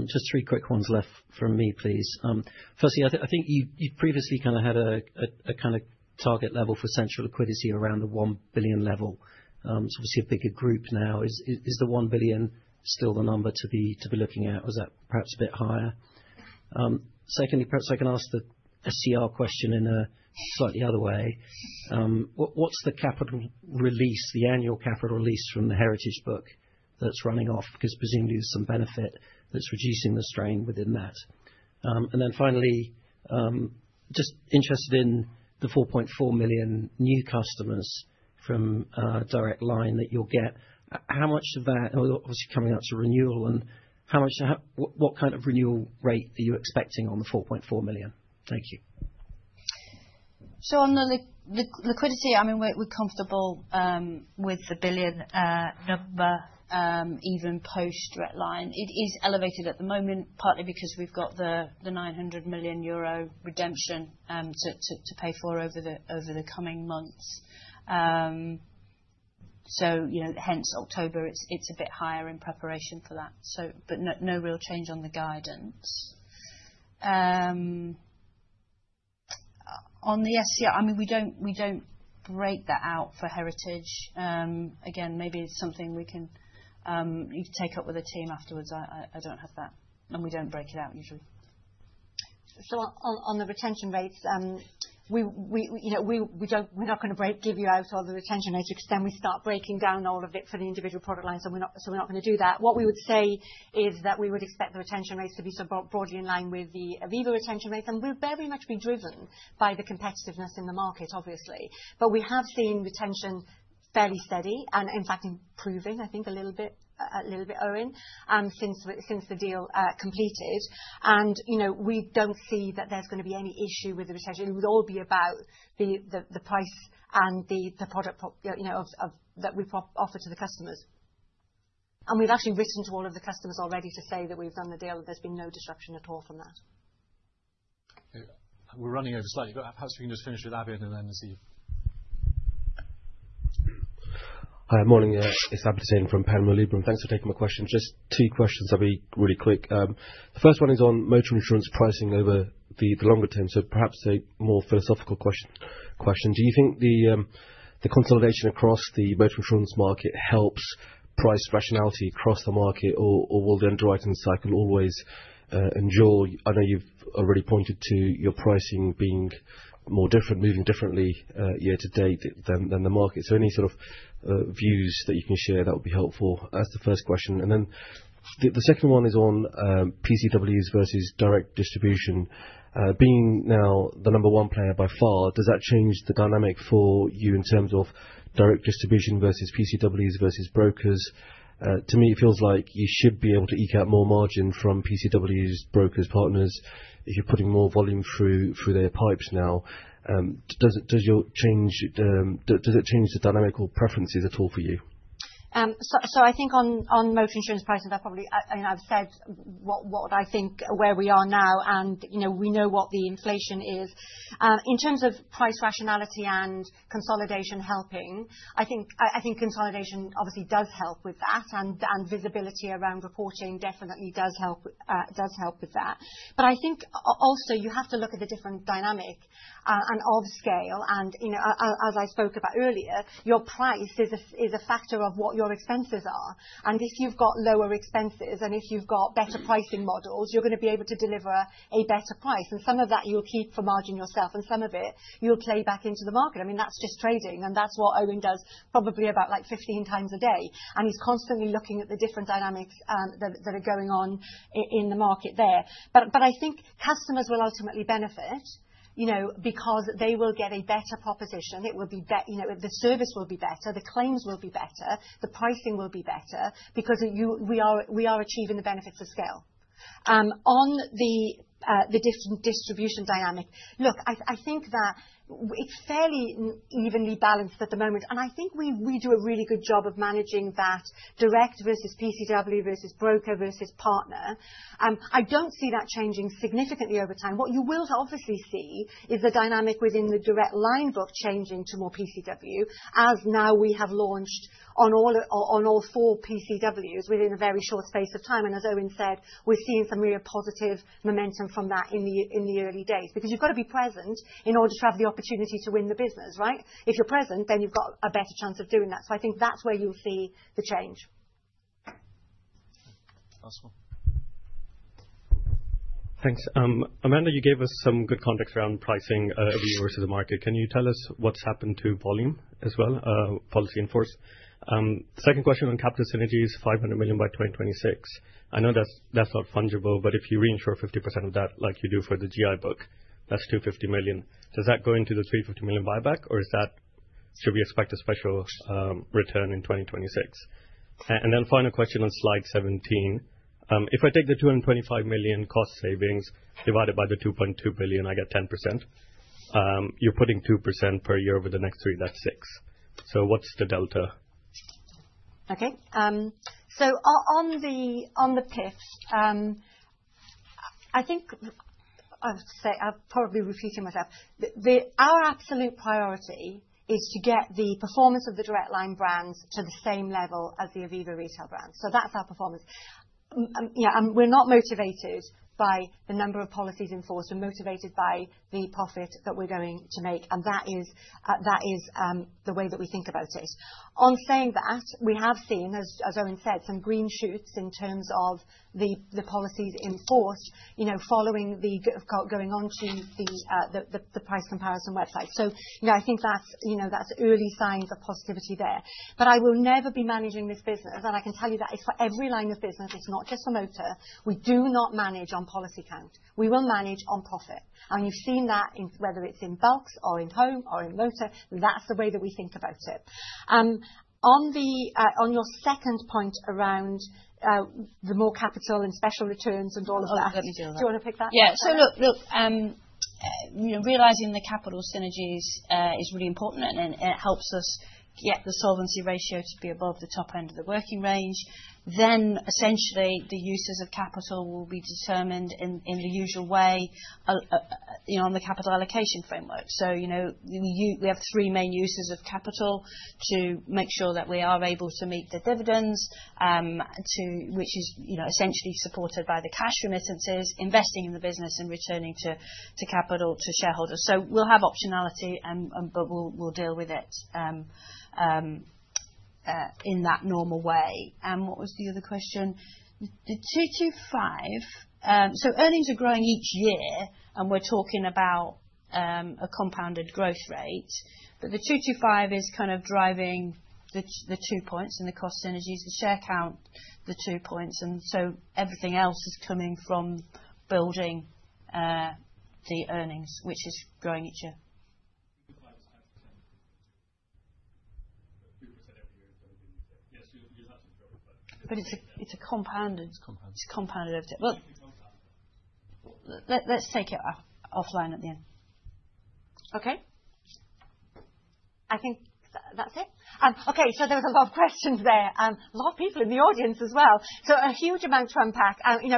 Just three quick ones left from me, please. Firstly, I think you previously kind of had a kind of target level for central liquidity around the 1 billion level. We see a bigger group now. Is the 1 billion still the number to be looking at? Was that perhaps a bit higher? Secondly, perhaps I can ask the SCR question in a slightly other way. What's the capital release, the annual capital release from the heritage book that's running off? Because presumably there's some benefit that's reducing the strain within that. And then finally, just interested in the 4.4 million new customers from Direct Line that you'll get. How much of that, obviously coming out to renewal, and what kind of renewal rate are you expecting on the 4.4 million? Thank you. On the liquidity, I mean, we're comfortable with the $1 billion number even post Direct Line. It is elevated at the moment, partly because we've got the 900 million euro redemption to pay for over the coming months. Hence, October, it's a bit higher in preparation for that. No real change on the guidance. On the SCR, I mean, we don't break that out for heritage. Again, maybe it's something you can take up with the team afterwards. I don't have that. We don't break it out usually. On the retention rates, we're not going to give you out all the retention rates because then we start breaking down all of it for the individual product lines. We're not going to do that. What we would say is that we would expect the retention rates to be broadly in line with the Aviva retention rates. We'll very much be driven by the competitiveness in the market, obviously. We have seen retention fairly steady and in fact improving, I think, a little bit, Owen, since the deal completed. We don't see that there's going to be any issue with the retention. It would all be about the price and the product that we offer to the customers. We've actually written to all of the customers already to say that we've done the deal and there's been no disruption at all from that. We're running over slightly. Perhaps we can just finish with Abid and then Nasib. Hi, morning. It's Abid Hussain from Panmure Liberum. Thanks for taking my question. Just two questions. I'll be really quick. The first one is on motor insurance pricing over the longer term. Perhaps a more philosophical question. Do you think the consolidation across the motor insurance market helps price rationality across the market, or will the underwriting cycle always endure? I know you've already pointed to your pricing being more different, moving differently year to date than the market. Any sort of views that you can share, that would be helpful as the first question. The second one is on PCWs versus direct distribution. Being now the number one player by far, does that change the dynamic for you in terms of direct distribution versus PCWs versus brokers? To me, it feels like you should be able to eke out more margin from PCWs, brokers, partners if you're putting more volume through their pipes now. Does it change the dynamic or preferences at all for you? I think on motor insurance pricing, I've said what I think where we are now, and we know what the inflation is. In terms of price rationality and consolidation helping, I think consolidation obviously does help with that. Visibility around reporting definitely does help with that. I think also you have to look at the different dynamic and of scale. As I spoke about earlier, your price is a factor of what your expenses are. If you've got lower expenses and if you've got better pricing models, you're going to be able to deliver a better price. Some of that you'll keep for margin yourself, and some of it you'll play back into the market. I mean, that's just trading. That's what Owen does probably about 15 times a day. He is constantly looking at the different dynamics that are going on in the market there. I think customers will ultimately benefit because they will get a better proposition. It will be better. The service will be better. The claims will be better. The pricing will be better because we are achieving the benefits of scale. On the different distribution dynamic, look, I think that it is fairly evenly balanced at the moment. I think we do a really good job of managing that direct versus PCW versus broker versus partner. I do not see that changing significantly over time. What you will obviously see is the dynamic within the Direct Line book changing to more PCW as now we have launched on all four PCWs within a very short space of time. As Owen said, we are seeing some really positive momentum from that in the early days. Because you've got to be present in order to have the opportunity to win the business, right? If you're present, then you've got a better chance of doing that. I think that's where you'll see the change. Thanks. Amanda, you gave us some good context around pricing over the years of the market. Can you tell us what's happened to volume as well, policy in force? Second question on capital synergies, 500 million by 2026. I know that's not fungible, but if you reinsure 50% of that like you do for the GI book, that's 250 million. Does that go into the 350 million buyback, or should we expect a special return in 2026? Final question on slide 17. If I take the 225 million cost savings divided by the 2.2 billion, I get 10%. You're putting 2% per year over the next three, that's 6%. What's the delta? Okay. On the pitch, I think I'll probably be repeating myself. Our absolute priority is to get the performance of the Direct Line brands to the same level as the Aviva retail brands. That is our performance. We're not motivated by the number of policies in force. We're motivated by the profit that we're going to make. That is the way that we think about it. On saying that, we have seen, as Owen said, some green shoots in terms of the policies in force following going on to the price comparison website. I think that's early signs of positivity there. I will never be managing this business, and I can tell you that it's for every line of business. It's not just for motor. We do not manage on policy count. We will manage on profit. You've seen that whether it's in bulks or in home or in motor. That's the way that we think about it. On your second point around the more capital and special returns and all of that. Let me do that. Do you want to pick that? Yeah. Look, realizing the capital synergies is really important, and it helps us get the solvency ratio to be above the top end of the working range. Essentially, the uses of capital will be determined in the usual way on the capital allocation framework. We have three main uses of capital to make sure that we are able to meet the dividends, which is essentially supported by the cash remittances, investing in the business, and returning capital to shareholders. We will have optionality, but we will deal with it in that normal way. What was the other question? The 225. Earnings are growing each year, and we are talking about a compounded growth rate. The 225 is kind of driving the two points and the cost synergies, the share count, the two points. Everything else is coming from building the earnings, which is growing each year. 225 is 10%. 2% every year is going to be the same. Yes, you're not just growing, but. It's a compounded. It's compounded. It's compounded. Let's take it offline at the end. Okay. I think that's it. Okay. There was a lot of questions there. A lot of people in the audience as well. A huge amount to unpack. We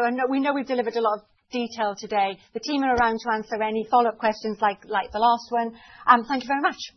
know we've delivered a lot of detail today. The team are around to answer any follow-up questions like the last one. Thank you very much.